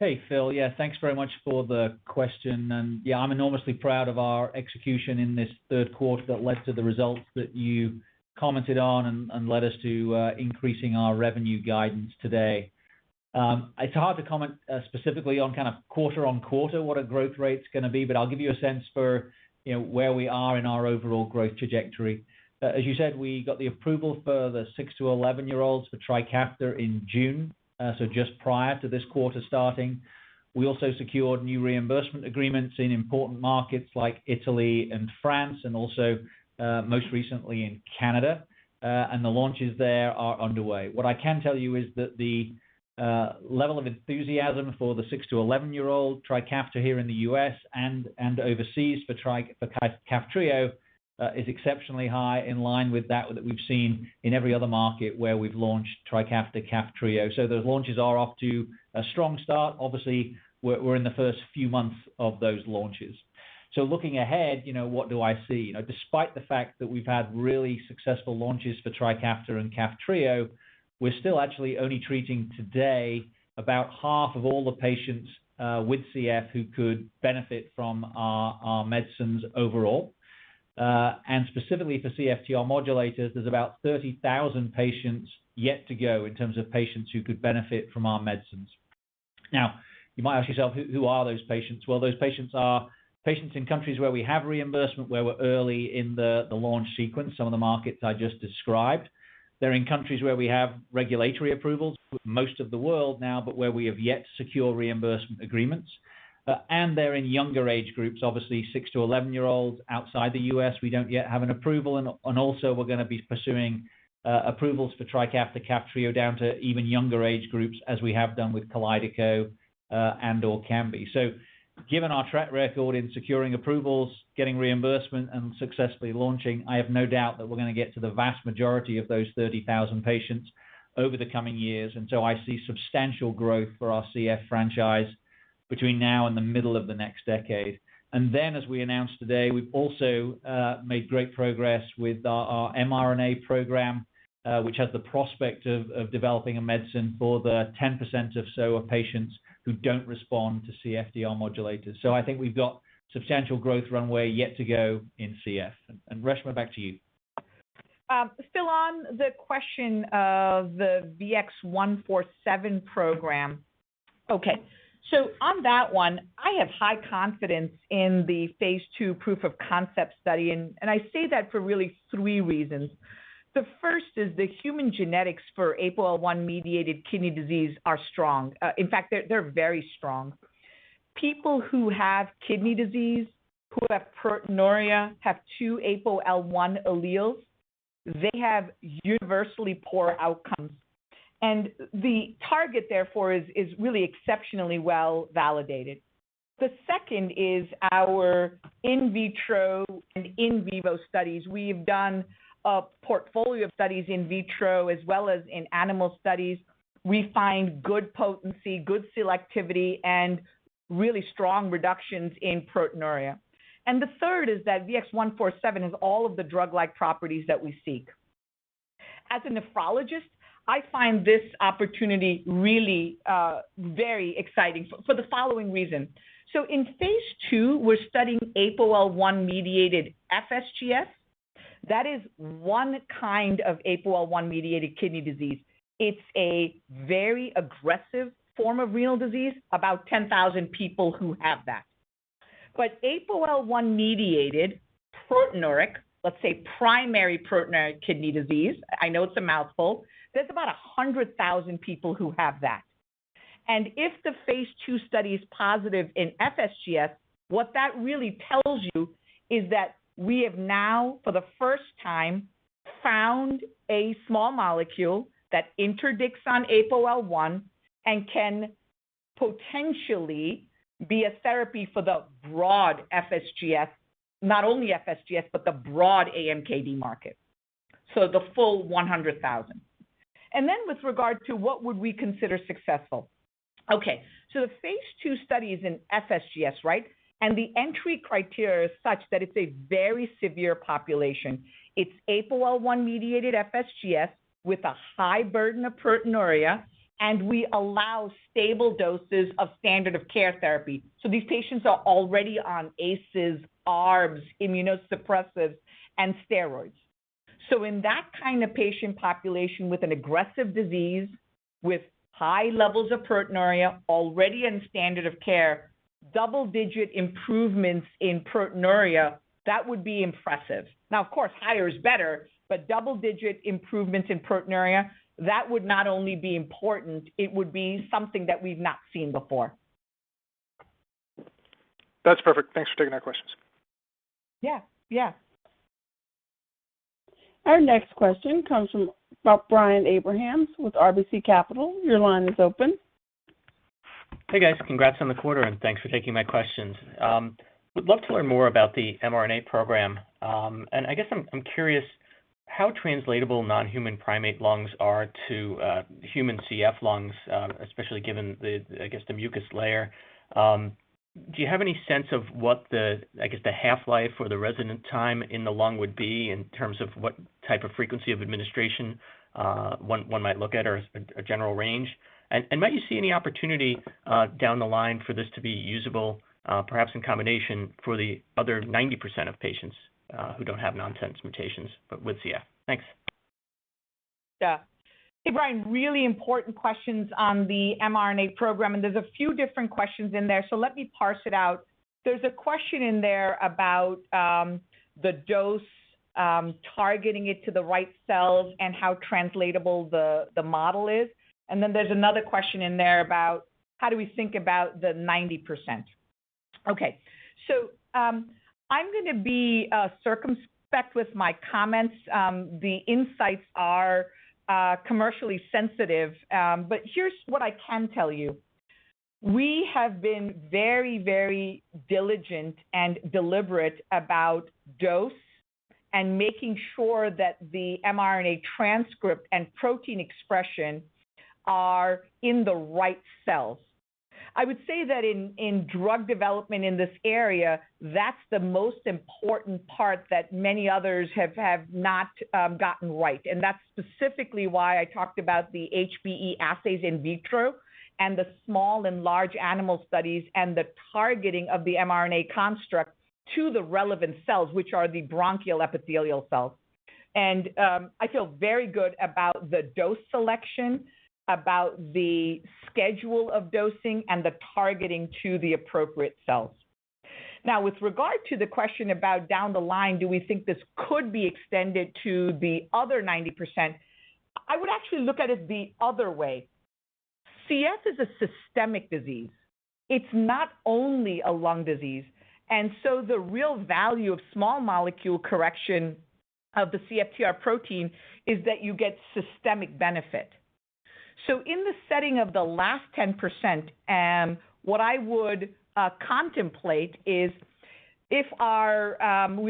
Hey, Phil. Yeah, thanks very much for the question. Yeah, I'm enormously proud of our execution in this third quarter that led to the results that you commented on and led us to increasing our revenue guidance today. It's hard to comment specifically on kind of quarter-on-quarter what our growth rate's gonna be, but I'll give you a sense for, you know, where we are in our overall growth trajectory. As you said, we got the approval for the six-to 11-year-olds for TRIKAFTA in June, so just prior to this quarter starting. We also secured new reimbursement agreements in important markets like Italy and France and also most recently in Canada, and the launches there are underway. What I can tell you is that the level of enthusiasm for the six to 11-year-old TRIKAFTA here in the U.S. and overseas for KAFTRIO is exceptionally high in line with that we've seen in every other market where we've launched TRIKAFTA KAFTRIO. Those launches are off to a strong start. Obviously, we're in the first few months of those launches. Looking ahead, you know, what do I see? You know, despite the fact that we've had really successful launches for TRIKAFTA and KAFTRIO, we're still actually only treating today about half of all the patients with CF who could benefit from our medicines overall. Specifically for CFTR modulators, there's about 30,000 patients yet to go in terms of patients who could benefit from our medicines. Now, you might ask yourself, "Who are those patients?" Well, those patients are patients in countries where we have reimbursement, where we're early in the launch sequence, some of the markets I just described. They're in countries where we have regulatory approvals for most of the world now, but where we have yet to secure reimbursement agreements. They're in younger age groups. Obviously, six to 11-year-olds outside the U.S., we don't yet have an approval, also we're gonna be pursuing approvals for TRIKAFTA/KAFTRIO down to even younger age groups as we have done with KALYDECO and ORKAMBI. Given our track record in securing approvals, getting reimbursement, and successfully launching, I have no doubt that we're gonna get to the vast majority of those 30,000 patients over the coming years, and so I see substantial growth for our CF franchise between now and the middle of the next decade. As we announced today, we've also made great progress with our mRNA program, which has the prospect of developing a medicine for the 10% or so of patients who don't respond to CFTR modulators. I think we've got substantial growth runway yet to go in CF. Reshma, back to you. Phil, on the question of the VX-147 program. Okay, so on that one, I have high confidence in the phase II proof of concept study, and I say that for really three reasons. The first is the human genetics for APOL1-mediated kidney disease are strong. In fact, they're very strong. People who have kidney disease, who have proteinuria, have two APOL1 alleles. They have universally poor outcomes, and the target, therefore, is really exceptionally well-validated. The second is our in vitro and in vivo studies. We've done a portfolio of studies in vitro as well as in animal studies. We find good potency, good selectivity, and really strong reductions in proteinuria. The third is that VX-147 has all of the drug-like properties that we seek. As a nephrologist, I find this opportunity really very exciting for the following reason. In phase II, we're studying APOL1-mediated FSGS. That is one kind of APOL1-mediated kidney disease. It's a very aggressive form of renal disease, about 10,000 people who have that. APOL1-mediated proteinuria, let's say primary proteinuric kidney disease, I know it's a mouthful, there's about 100,000 people who have that. If the phase II study is positive in FSGS, what that really tells you is that we have now, for the first time, found a small molecule that interdicts on APOL1 and can potentially be a therapy for the broad FSGS. Not only FSGS, but the broad AMKD market. The full 100,000. Then with regard to what would we consider successful. The phase II study is in FSGS, right? The entry criteria is such that it's a very severe population. It's APOL1-mediated FSGS with a high burden of proteinuria, and we allow stable doses of standard of care therapy. These patients are already on ACEs, ARBs, immunosuppressants, and steroids. In that kind of patient population with an aggressive disease, with high levels of proteinuria already in standard of care, double-digit improvements in proteinuria, that would be impressive. Now, of course, higher is better, but double-digit improvements in proteinuria, that would not only be important, it would be something that we've not seen before. That's perfect. Thanks for taking our questions. Yeah. Yeah. Our next question comes from, Brian Abrahams with RBC Capital. Your line is open. Hey, guys. Congrats on the quarter, and thanks for taking my questions. I would love to learn more about the mRNA program. I guess I'm curious how translatable non-human primate lungs are to human CF lungs, especially given the mucus layer. Do you have any sense of what the half-life or the resident time in the lung would be in terms of what type of frequency of administration one might look at or a general range? Might you see any opportunity down the line for this to be usable, perhaps in combination for the other 90% of patients who don't have nonsense mutations but with CF? Thanks. Yeah. Hey, Brian, really important questions on the mRNA program, and there's a few different questions in there, so let me parse it out. There's a question in there about the dose, targeting it to the right cells and how translatable the model is. Then there's another question in there about how do we think about the 90%. Okay. I'm gonna be circumspect with my comments. The insights are commercially sensitive, but here's what I can tell you. We have been very, very diligent and deliberate about dose and making sure that the mRNA transcript and protein expression are in the right cells. I would say that in drug development in this area, that's the most important part that many others have not gotten right. That's specifically why I talked about the HBE assays in vitro and the small and large animal studies and the targeting of the mRNA construct to the relevant cells, which are the bronchial epithelial cells. I feel very good about the dose selection, about the schedule of dosing, and the targeting to the appropriate cells. Now, with regard to the question about down the line, do we think this could be extended to the other 90%? I would actually look at it the other way. CF is a systemic disease. It's not only a lung disease, and so the real value of small molecule correction of the CFTR protein is that you get systemic benefit. In the setting of the last 10%, what I would contemplate is if we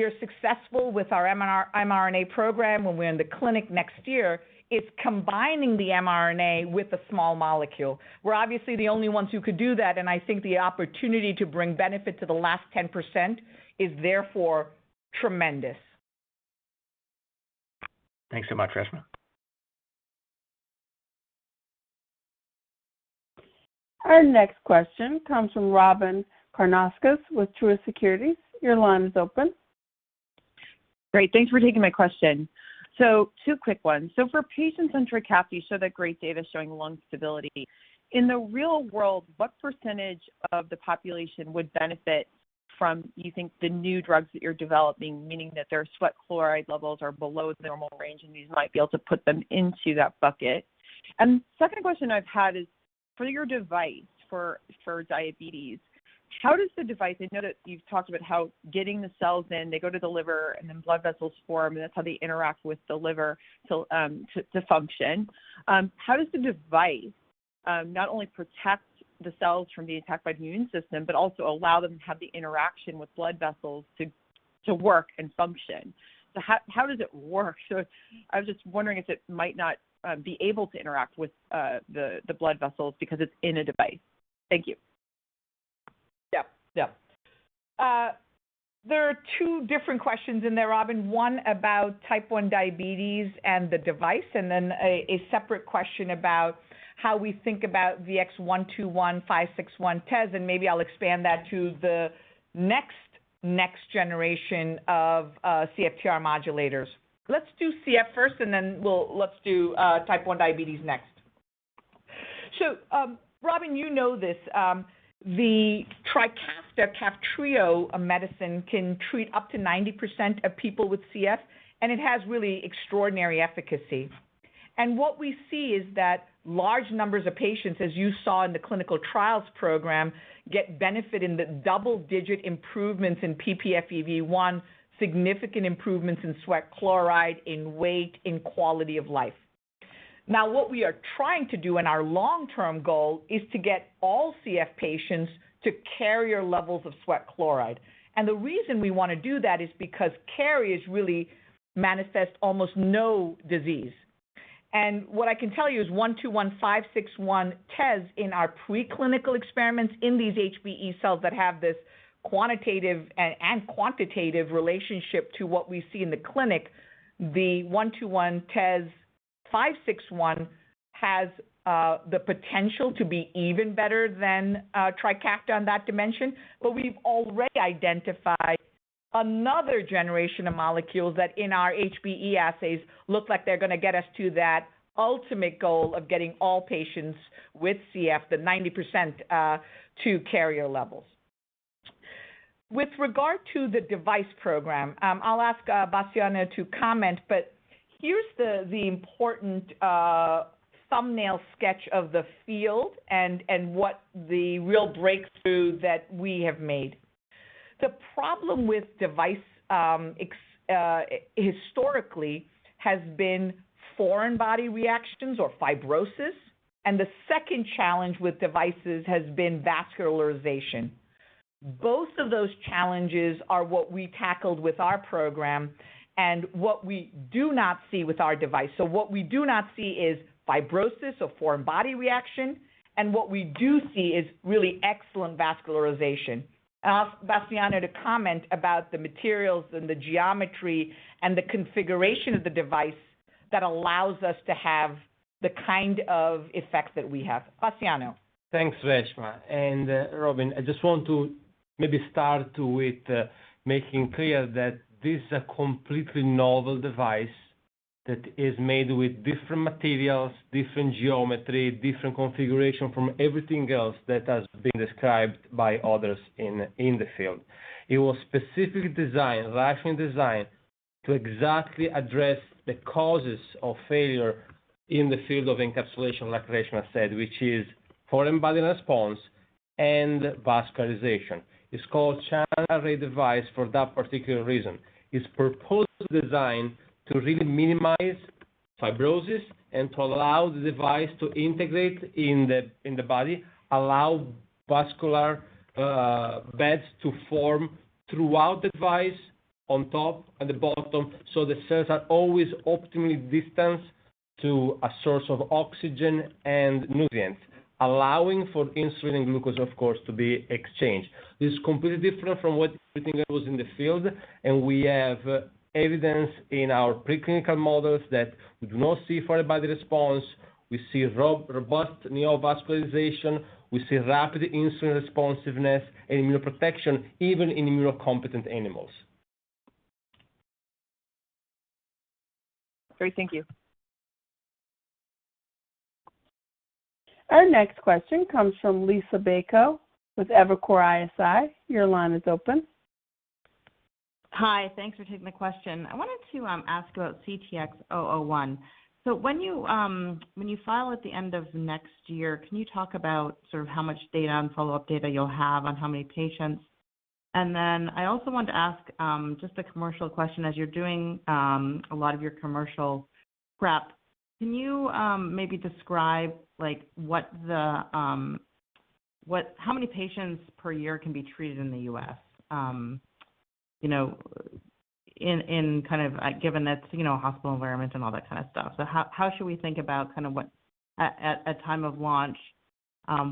are successful with our mRNA program when we're in the clinic next year, is combining the mRNA with the small molecule. We're obviously the only ones who could do that, and I think the opportunity to bring benefit to the last 10% is therefore tremendous. Thanks so much, Reshma. Our next question comes from Robyn Karnauskas with Truist Securities. Your line is open. Great. Thanks for taking my question. Two quick ones. For patients on TRIKAFTA, you show that great data showing lung stability. In the real world, what percentage of the population would benefit from using the new drugs that you're developing, meaning that their sweat chloride levels are below the normal range, and you might be able to put them into that bucket? Second question I've had is for your device for diabetes, how does the device. I know that you've talked about how getting the cells in, they go to the liver, and then blood vessels form, and that's how they interact with the liver to function. How does the device not only protect the cells from being attacked by the immune system but also allow them to have the interaction with blood vessels to work and function? How does it work? I was just wondering if it might not be able to interact with the blood vessels because it's in a device. Thank you. There are two different questions in there, Robyn. One about type 1 diabetes and the device, and then a separate question about how we think about VX-121-561-tez, and maybe I'll expand that to the next generation of CFTR modulators. Let's do CF first, and then we'll let's do type 1 diabetes next. Robyn, you know this, the TRIKAFTA/KAFTRIO medicine can treat up to 90% of people with CF, and it has really extraordinary efficacy. What we see is that large numbers of patients, as you saw in the clinical trials program, get benefit in the double-digit improvements in ppFEV1, significant improvements in sweat chloride, in weight, in quality of life. Now, what we are trying to do and our long-term goal is to get all CF patients to carrier levels of sweat chloride. The reason we wanna do that is because carriers really manifest almost no disease. What I can tell you is VX-121-VX-561-tezacaftor in our preclinical experiments in these HBE cells that have this quantitative relationship to what we see in the clinic, the VX-121-tezacaftor-VX-561 has the potential to be even better than TRIKAFTA on that dimension, but we've already identified another generation of molecules that in our HBE assays look like they're gonna get us to that ultimate goal of getting all patients with CF, the 90%, to carrier levels. With regard to the device program, I'll ask Luciano to comment, but here's the important thumbnail sketch of the field and what the real breakthrough that we have made. The problem with device historically has been foreign body reactions or fibrosis. The second challenge with devices has been vascularization. Both of those challenges are what we tackled with our program and what we do not see with our device. What we do not see is fibrosis or foreign body reaction, and what we do see is really excellent vascularization. I'll ask Bastiano to comment about the materials and the geometry and the configuration of the device that allows us to have the kind of effects that we have. Bastiano. Thanks, Reshma and Robyn. I just want to maybe start with making clear that this is a completely novel device that is made with different materials, different geometry, different configuration from everything else that has been described by others in the field. It was specifically designed, rationally designed, to exactly address the causes of failure in the field of encapsulation, like Reshma said, which is foreign body response and vascularization. It's called channel array device for that particular reason. It's purposely designed to really minimize fibrosis and to allow the device to integrate in the body, allow vascular beds to form throughout the device on top and the bottom, so the cells are always optimally distanced to a source of oxygen and nutrients, allowing for insulin and glucose, of course, to be exchanged. This is completely different from what everything else was in the field, and we have evidence in our preclinical models that we do not see foreign body response. We see robust neovascularization. We see rapid insulin responsiveness and immunoprotection even in immunocompetent animals. Great. Thank you. Our next question comes from Liisa Bayko with Evercore ISI. Your line is open. Hi. Thanks for taking the question. I wanted to ask about CTX001. So when you file at the end of next year, can you talk about sort of how much data and follow-up data you'll have on how many patients? And then I also wanted to ask just a commercial question. As you're doing a lot of your commercial prep, can you maybe describe like what the how many patients per year can be treated in the U.S.? You know, in kind of given it's you know, a hospital environment and all that kind of stuff. So how should we think about kind of what at time of launch,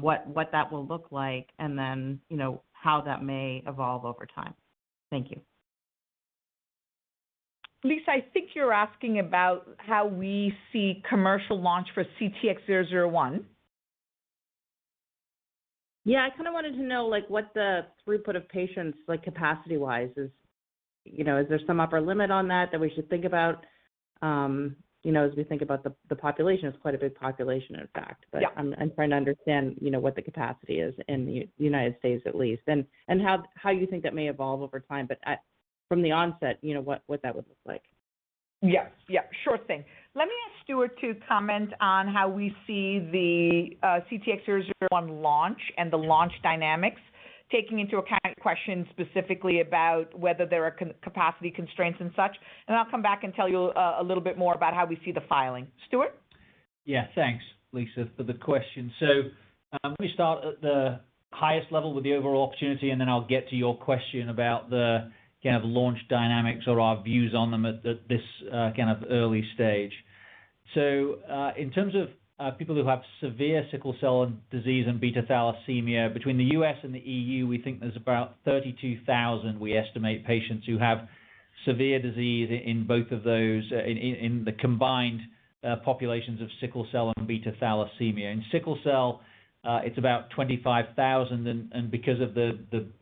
what that will look like and then you know, how that may evolve over time? Thank you. Liisa, I think you're asking about how we see commercial launch for CTX001. Yeah. I kinda wanted to know like what the throughput of patients like capacity-wise is. You know, is there some upper limit on that that we should think about, you know, as we think about the population? It's quite a big population, in fact. Yeah. I'm trying to understand, you know, what the capacity is in the United States at least and how you think that may evolve over time. From the onset, you know, what that would look like. Yes. Yeah. Sure thing. Let me ask Stuart to comment on how we see the CTX001 launch and the launch dynamics, taking into account your question specifically about whether there are capacity constraints and such. I'll come back and tell you a little bit more about how we see the filing. Stuart? Yeah. Thanks, Lisa, for the question. Let me start at the highest level with the overall opportunity, and then I'll get to your question about the kind of launch dynamics or our views on them at this kind of early stage. In terms of people who have severe sickle cell disease and beta thalassemia, between the U.S. and the EU, we think there's about 32,000, we estimate, patients who have severe disease in both of those in the combined populations of sickle cell and beta thalassemia. In sickle cell, it's about 25,000, and because of the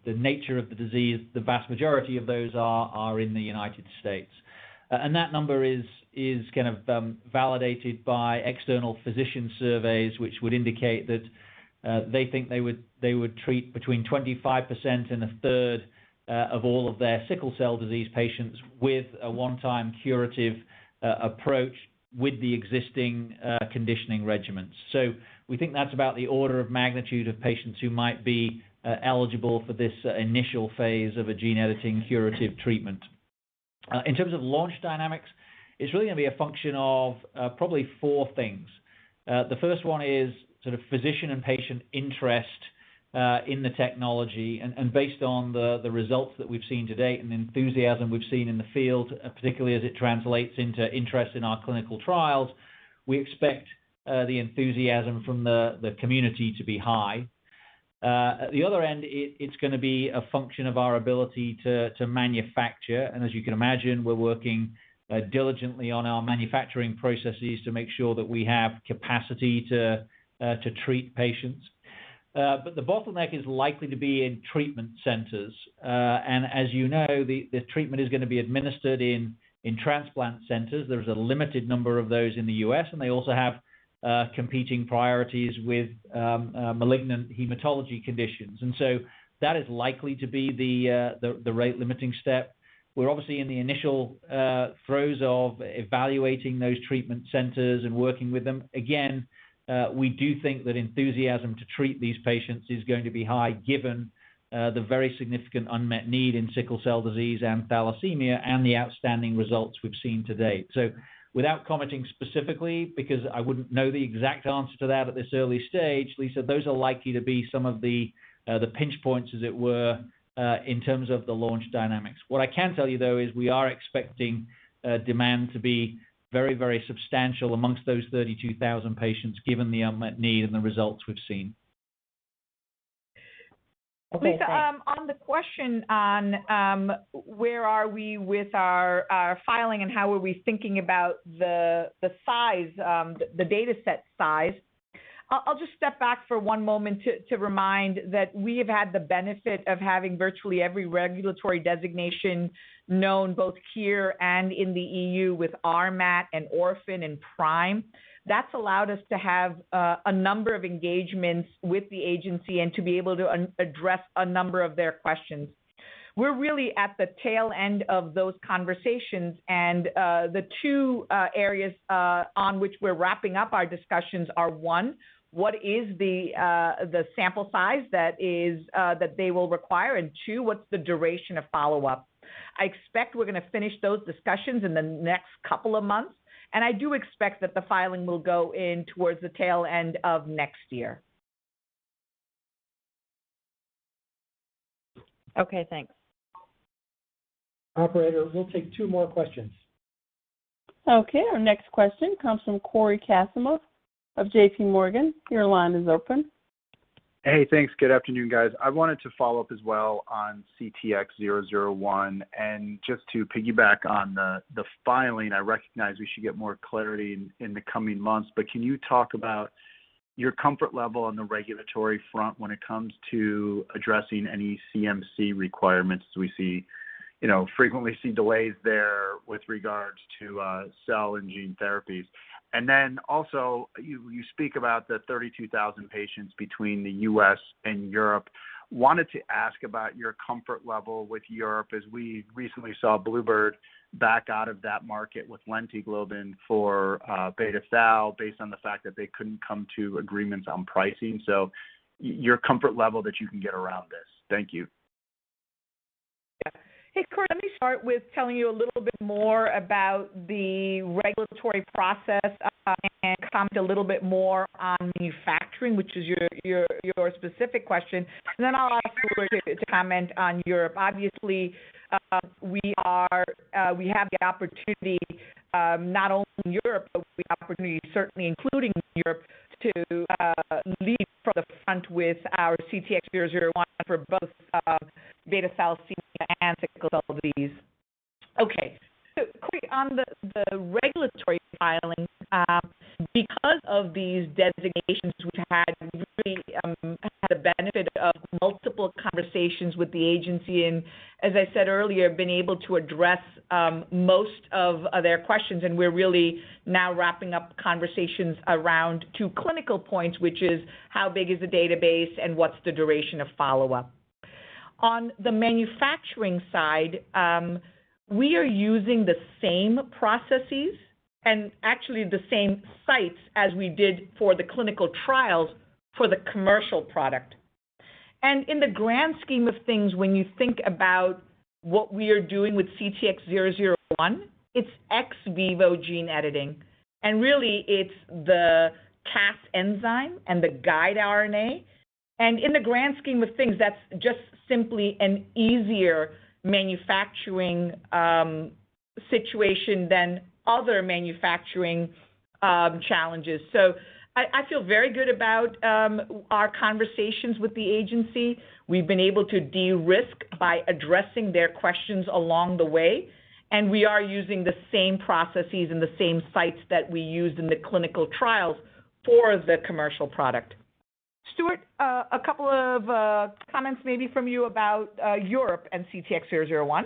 nature of the disease, the vast majority of those are in the United States. That number is kind of validated by external physician surveys, which would indicate that they think they would treat between 25% and a third of all of their sickle cell disease patients with a one-time curative approach with the existing conditioning regimens. We think that's about the order of magnitude of patients who might be eligible for this initial phase of a gene editing curative treatment. In terms of launch dynamics, it's really gonna be a function of probably four things. The first one is sort of physician and patient interest in the technology. Based on the results that we've seen to date and the enthusiasm we've seen in the field, particularly as it translates into interest in our clinical trials, we expect the enthusiasm from the community to be high. At the other end, it's gonna be a function of our ability to manufacture. As you can imagine, we're working diligently on our manufacturing processes to make sure that we have capacity to treat patients. The bottleneck is likely to be in treatment centers. As you know, the treatment is gonna be administered in transplant centers. There's a limited number of those in the U.S., and they also have competing priorities with malignant hematology conditions. That is likely to be the rate-limiting step. We're obviously in the initial throes of evaluating those treatment centers and working with them. Again, we do think that enthusiasm to treat these patients is going to be high given the very significant unmet need in sickle cell disease and thalassemia, and the outstanding results we've seen to date. Without commenting specifically, because I wouldn't know the exact answer to that at this early stage, Liisa, those are likely to be some of the pinch points, as it were, in terms of the launch dynamics. What I can tell you, though, is we are expecting demand to be very, very substantial amongst those 32,000 patients, given the unmet need and the results we've seen. Okay, thanks. Liisa, on the question on where are we with our filing and how are we thinking about the size, the dataset size. I'll just step back for one moment to remind that we have had the benefit of having virtually every regulatory designation known both here and in the EU with RMAT and Orphan and PRIME. That's allowed us to have a number of engagements with the agency and to be able to address a number of their questions. We're really at the tail end of those conversations, and the two areas on which we're wrapping up our discussions are, one, what is the sample size that they will require? And two, what's the duration of follow-up? I expect we're gonna finish those discussions in the next couple of months, and I do expect that the filing will go in towards the tail end of next year. Okay, thanks. Operator, we'll take two more questions. Okay. Our next question comes from Cory Kasimov of JP Morgan. Your line is open. Hey, thanks. Good afternoon, guys. I wanted to follow up as well on CTX001. Just to piggyback on the filing, I recognize we should get more clarity in the coming months. Can you talk about your comfort level on the regulatory front when it comes to addressing any CMC requirements as we frequently see delays there with regards to cell and gene therapies? Then also, you speak about the 32,000 patients between the U.S. and Europe. Wanted to ask about your comfort level with Europe as we recently saw bluebird bio back out of that market with LentiGlobin for beta thal based on the fact that they couldn't come to agreements on pricing. Your comfort level that you can get around this. Thank you. Hey, Cory, let me start with telling you a little bit more about the regulatory process and comment a little bit more on manufacturing, which is your specific question. I'll ask Stuart to comment on Europe. Obviously, we have the opportunity not only in Europe, but certainly including Europe to lead from the front with our CTX001 for both beta thalassemia and sickle cell disease. Okay. Cory, on the regulatory filing, because of these designations, we've had the benefit of multiple conversations with the agency, and as I said earlier, been able to address most of their questions, and we're really now wrapping up conversations around two clinical points, which is how big is the database, and what's the duration of follow-up? On the manufacturing side, we are using the same processes and actually the same sites as we did for the clinical trials for the commercial product. In the grand scheme of things, when you think about what we are doing with CTX001, it's ex vivo gene editing, and really it's the Cas enzyme and the guide RNA. In the grand scheme of things, that's just simply an easier manufacturing situation than other manufacturing challenges. I feel very good about our conversations with the agency. We've been able to de-risk by addressing their questions along the way, and we are using the same processes and the same sites that we used in the clinical trials for the commercial product. Stuart, a couple of comments maybe from you about Europe and CTX001.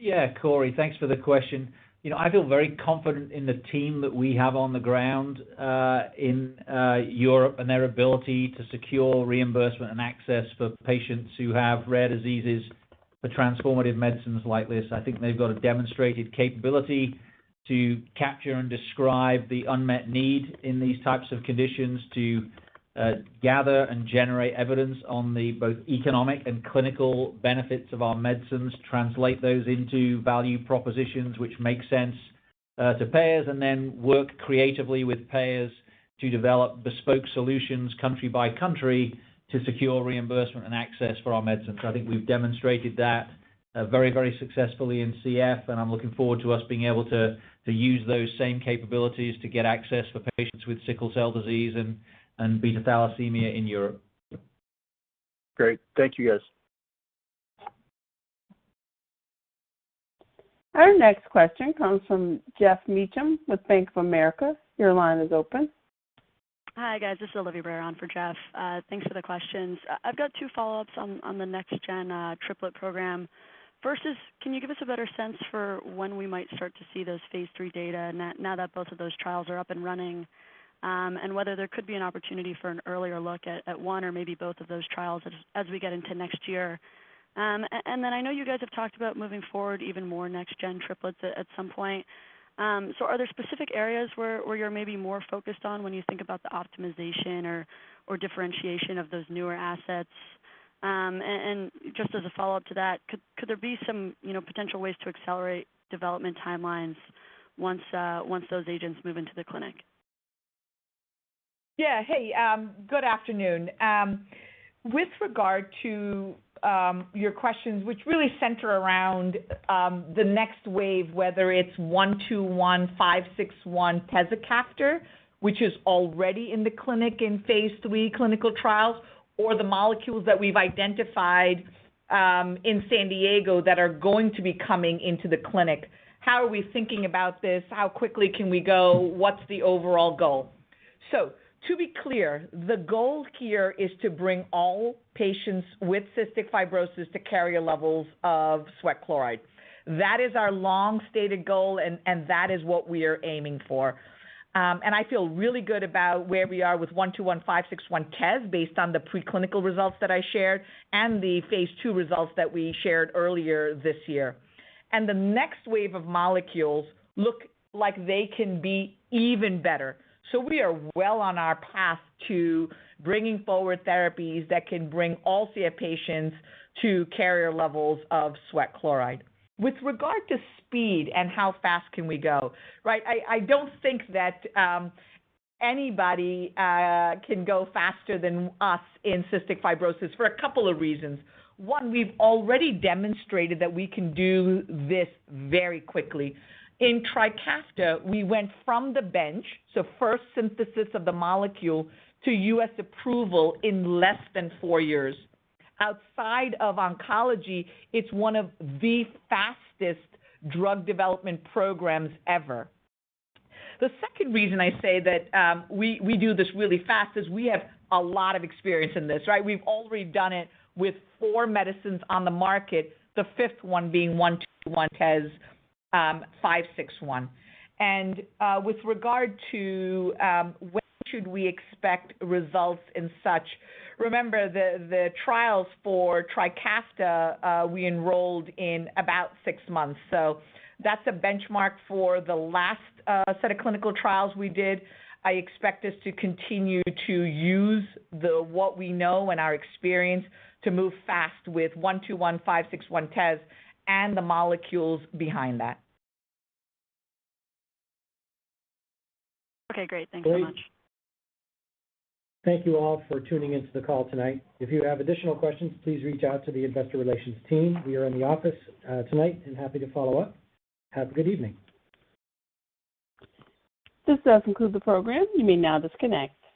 Yeah. Cory, thanks for the question. You know, I feel very confident in the team that we have on the ground in Europe and their ability to secure reimbursement and access for patients who have rare diseases for transformative medicines like this. I think they've got a demonstrated capability to capture and describe the unmet need in these types of conditions to gather and generate evidence on the both economic and clinical benefits of our medicines, translate those into value propositions which make sense to payers, and then work creatively with payers to develop bespoke solutions country by country to secure reimbursement and access for our medicines. I think we've demonstrated that Very, very successfully in CF, and I'm looking forward to us being able to use those same capabilities to get access for patients with sickle cell disease and beta thalassemia in Europe. Great. Thank you, guys. Our next question comes from Geoff Meacham with Bank of America. Your line is open. Hi, guys. This is Olivia Brayer for Geoff Meacham. Thanks for the questions. I've got two follow-ups on the next-gen triplet program. First is, can you give us a better sense for when we might start to see those phase III data now that both of those trials are up and running, and whether there could be an opportunity for an earlier look at one or maybe both of those trials as we get into next year? And then I know you guys have talked about moving forward even more next-gen triplets at some point. Are there specific areas where you're maybe more focused on when you think about the optimization or differentiation of those newer assets? Just as a follow-up to that, could there be some, you know, potential ways to accelerate development timelines once those agents move into the clinic? Yeah. Hey, good afternoon. With regard to your questions, which really center around the next wave, whether it's VX-121, VX-561, tezacaftor, which is already in the clinic in phase III clinical trials, or the molecules that we've identified in San Diego that are going to be coming into the clinic. How are we thinking about this? How quickly can we go? What's the overall goal? To be clear, the goal here is to bring all patients with cystic fibrosis to carrier levels of sweat chloride. That is our long-stated goal, and that is what we are aiming for. I feel really good about where we are with VX-121, VX-561, tezacaftor based on the preclinical results that I shared and the phase II results that we shared earlier this year. The next wave of molecules look like they can be even better. We are well on our path to bringing forward therapies that can bring all CF patients to carrier levels of sweat chloride. With regard to speed and how fast can we go, right? I don't think that anybody can go faster than us in cystic fibrosis for a couple of reasons. One, we've already demonstrated that we can do this very quickly. In TRIKAFTA, we went from the bench, so first synthesis of the molecule to U.S. approval in less than four years. Outside of oncology, it's one of the fastest drug development programs ever. The second reason I say that we do this really fast is we have a lot of experience in this, right? We've already done it with 4 medicines on the market, the fifth one being 121 tezacaftor, 561. With regard to when should we expect results and such, remember the trials for TRIKAFTA, we enrolled in about six months. That's a benchmark for the last set of clinical trials we did. I expect us to continue to use what we know and our experience to move fast with 121, 561, tezacaftor and the molecules behind that. Okay, great. Thanks so much. Great. Thank you all for tuning into the call tonight. If you have additional questions, please reach out to the investor relations team. We are in the office tonight and happy to follow up. Have a good evening. This does conclude the program. You may now disconnect.